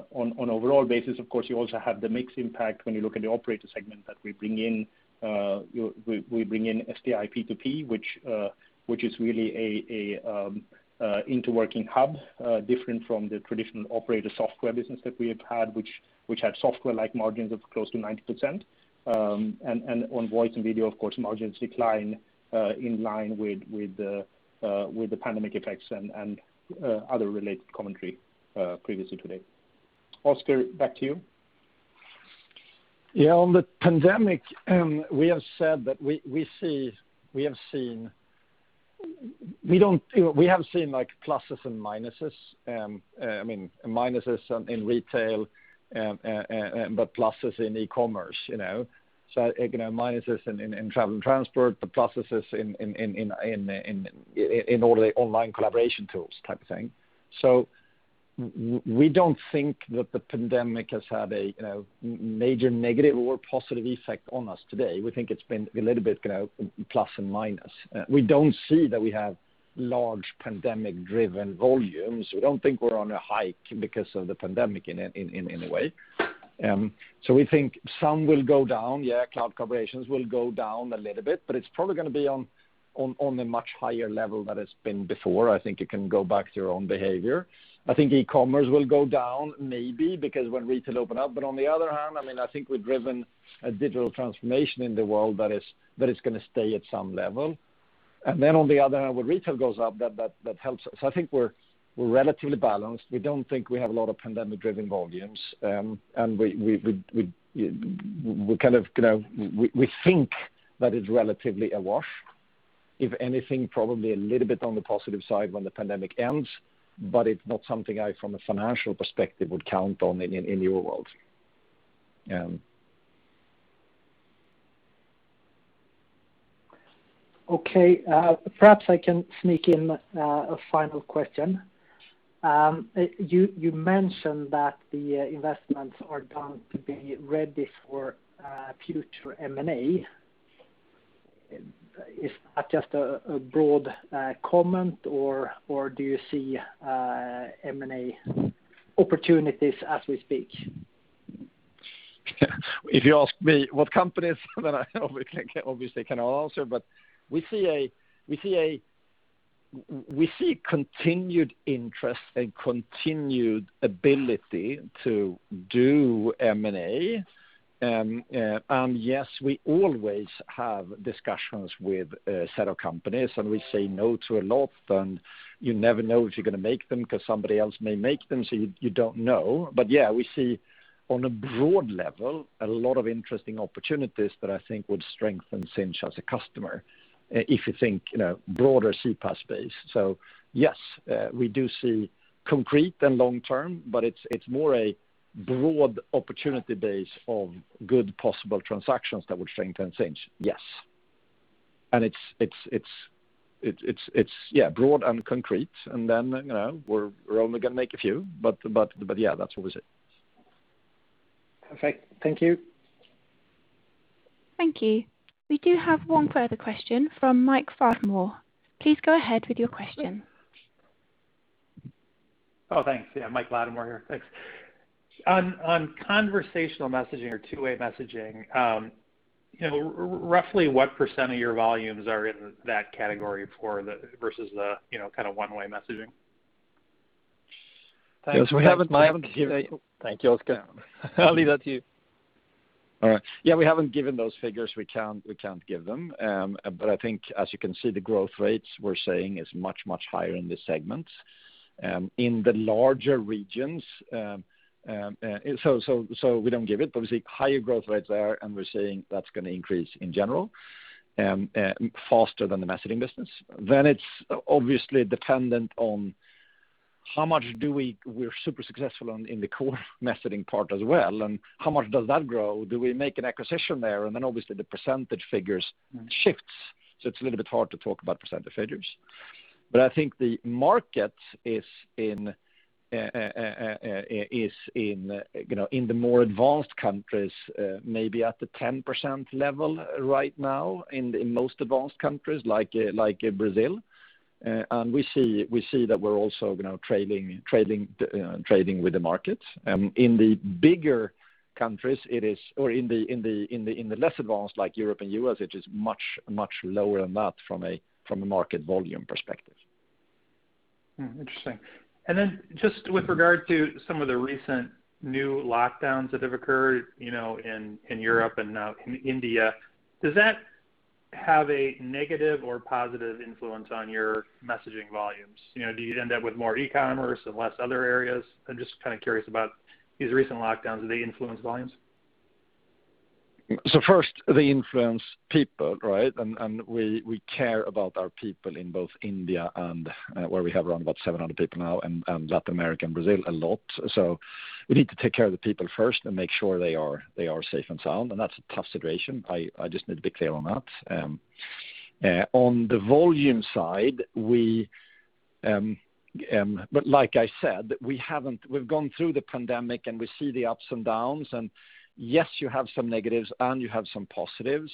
overall basis, of course, you also have the mix impact when you look at the operator segment that we bring in SDI P2P, which is really a interworking hub different from the traditional operator software business that we have had, which had software-like margins of close to 90%. On voice and video, of course, margins decline in line with the pandemic effects and other related commentary previously today. Oscar, back to you. Yeah, on the pandemic, we have said that we have seen pluses and minuses. Minuses in retail, pluses in e-commerce. Minuses in travel and transport, pluses in all the online collaboration tools type of thing. We don't think that the pandemic has had a major negative or positive effect on us today. We think it's been a little bit plus and minus. We don't see that we have large pandemic-driven volumes. We don't think we're on a hike because of the pandemic in any way. We think some will go down. Yeah, cloud collaborations will go down a little bit, it's probably going to be on a much higher level than it's been before. I think it can go back to your own behavior. I think e-commerce will go down maybe because when retail open up. On the other hand, I think we've driven a digital transformation in the world that is going to stay at some level. On the other hand, when retail goes up, that helps us. I think we're relatively balanced. We don't think we have a lot of pandemic-driven volumes. We think that it's relatively awash. If anything, probably a little bit on the positive side when the pandemic ends, but it's not something I, from a financial perspective, would count on in your world. Okay. Perhaps I can sneak in a final question. You mentioned that the investments are going to be ready for future M&A. Is that just a broad comment, or do you see M&A opportunities as we speak? If you ask me what companies, then I obviously cannot answer. We see continued interest and continued ability to do M&A. Yes, we always have discussions with a set of companies, and we say no to a lot, and you never know if you're going to make them because somebody else may make them, so you don't know. Yeah, we see, on a broad level, a lot of interesting opportunities that I think would strengthen Sinch as a customer, if you think broader CPaaS space. Yes, we do see concrete and long term, but it's more a broad opportunity base of good possible transactions that would strengthen Sinch. Yes. It's broad and concrete, and then we're only going to make a few, but yeah, that's what we see. Perfect. Thank you. Thank you. We do have one further question from Mike Latimore. Please go ahead with your question. Oh, thanks. Yeah, Mike Latimore here. Thanks. On conversational messaging or two-way messaging, roughly what percent of your volumes are in that category versus the one-way messaging? Thanks. I haven't heard. Thank you, Oscar. I'll leave that to you. All right. Yeah, we haven't given those figures. We can't give them. I think, as you can see, the growth rates we're seeing is much, much higher in this segment. In the larger regions, we don't give it, we see higher growth rates there, we're seeing that's going to increase in general, faster than the messaging business. It's obviously dependent on how much we're super successful in the core messaging part as well, how much does that grow? Do we make an acquisition there? Obviously the percentage figures shifts. It's a little bit hard to talk about percentage figures. I think the market is in the more advanced countries, maybe at the 10% level right now, in most advanced countries, like Brazil. We see that we're also trading with the markets. In the bigger countries, or in the less advanced like Europe and U.S., it is much, much lower than that from a market volume perspective. Hmm, interesting. Just with regard to some of the recent new lockdowns that have occurred in Europe and now in India, does that have a negative or positive influence on your messaging volumes? Do you end up with more e-commerce and less other areas? I'm just curious about these recent lockdowns. Do they influence volumes? First, they influence people, right? We care about our people in both India and where we have around about 700 people now, and Latin America and Brazil a lot. We need to take care of the people first and make sure they are safe and sound, and that's a tough situation. I just need to be clear on that. On the volume side, but like I said, we've gone through the pandemic, and we see the ups and downs, and yes, you have some negatives and you have some positives.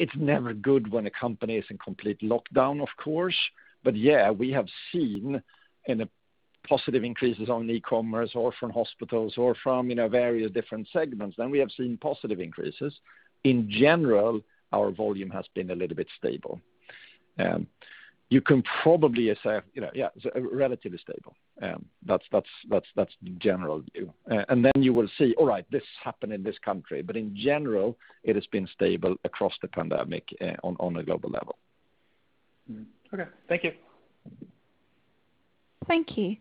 It's never good when a company is in complete lockdown, of course, but yeah, we have seen in a positive increases on e-commerce or from hospitals or from various different segments, and we have seen positive increases. In general, our volume has been a little bit stable. You can probably say, yeah, relatively stable. That's the general view. Then you will see, all right, this happened in this country, but in general, it has been stable across the pandemic on a global level. Okay. Thank you. Thank you.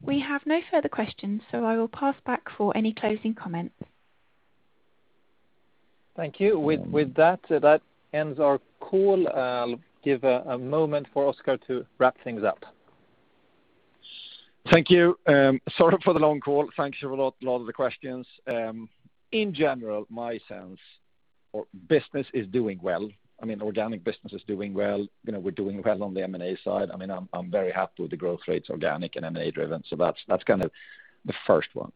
We have no further questions, so I will pass back for any closing comments. Thank you. With that ends our call. I'll give a moment for Oscar to wrap things up. Thank you. Sorry for the long call. Thanks a lot for all of the questions. In general, my sense, business is doing well. Organic business is doing well. We're doing well on the M&A side. I'm very happy with the growth rates, organic and M&A-driven. That's the first one.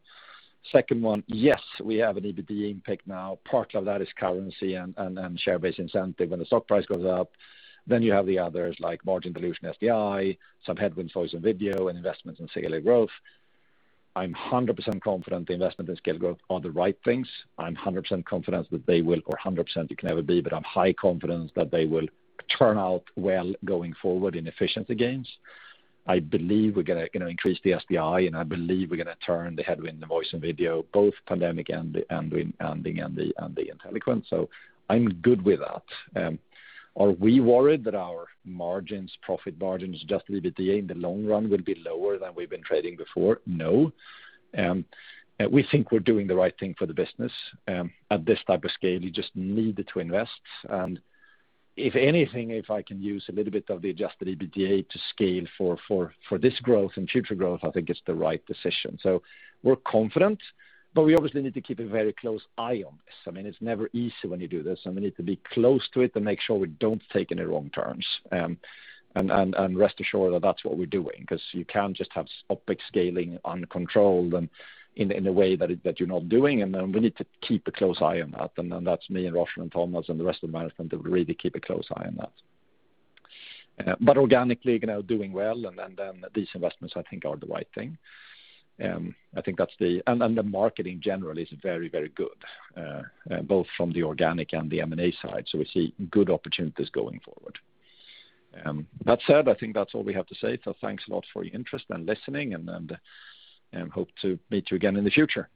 Second one, yes, we have an EBITDA impact now. Part of that is currency and share-based incentive. When the stock price goes up, you have the others like margin dilution, SDI, some headwinds, voice and video, and investments in scale and growth. I'm 100% confident the investment in scale growth are the right things. I'm 100% confident that they will, or 100% it can never be, I'm high confidence that they will turn out well going forward in efficiency gains. I believe we're going to increase the SDI. I believe we're going to turn the headwind, the voice and video, both pandemic and the Inteliquent. I'm good with that. Are we worried that our margins, profit margins, adjusted EBITDA in the long run will be lower than we've been trading before? No. We think we're doing the right thing for the business. At this type of scale, you just need to invest. If anything, if I can use a little bit of the adjusted EBITDA to scale for this growth and future growth, I think it's the right decision. We're confident. We obviously need to keep a very close eye on this. It's never easy when you do this. We need to be close to it and make sure we don't take any wrong turns. Rest assured that's what we're doing because you can't just have OpEx scaling uncontrolled and in a way that you're not doing, and then we need to keep a close eye on that, and then that's me and Roshan and Thomas and the rest of the management that really keep a close eye on that. Organically, doing well, and then these investments I think are the right thing. The market in general is very, very good, both from the organic and the M&A side. We see good opportunities going forward. That said, I think that's all we have to say. Thanks a lot for your interest and listening, and hope to meet you again in the future.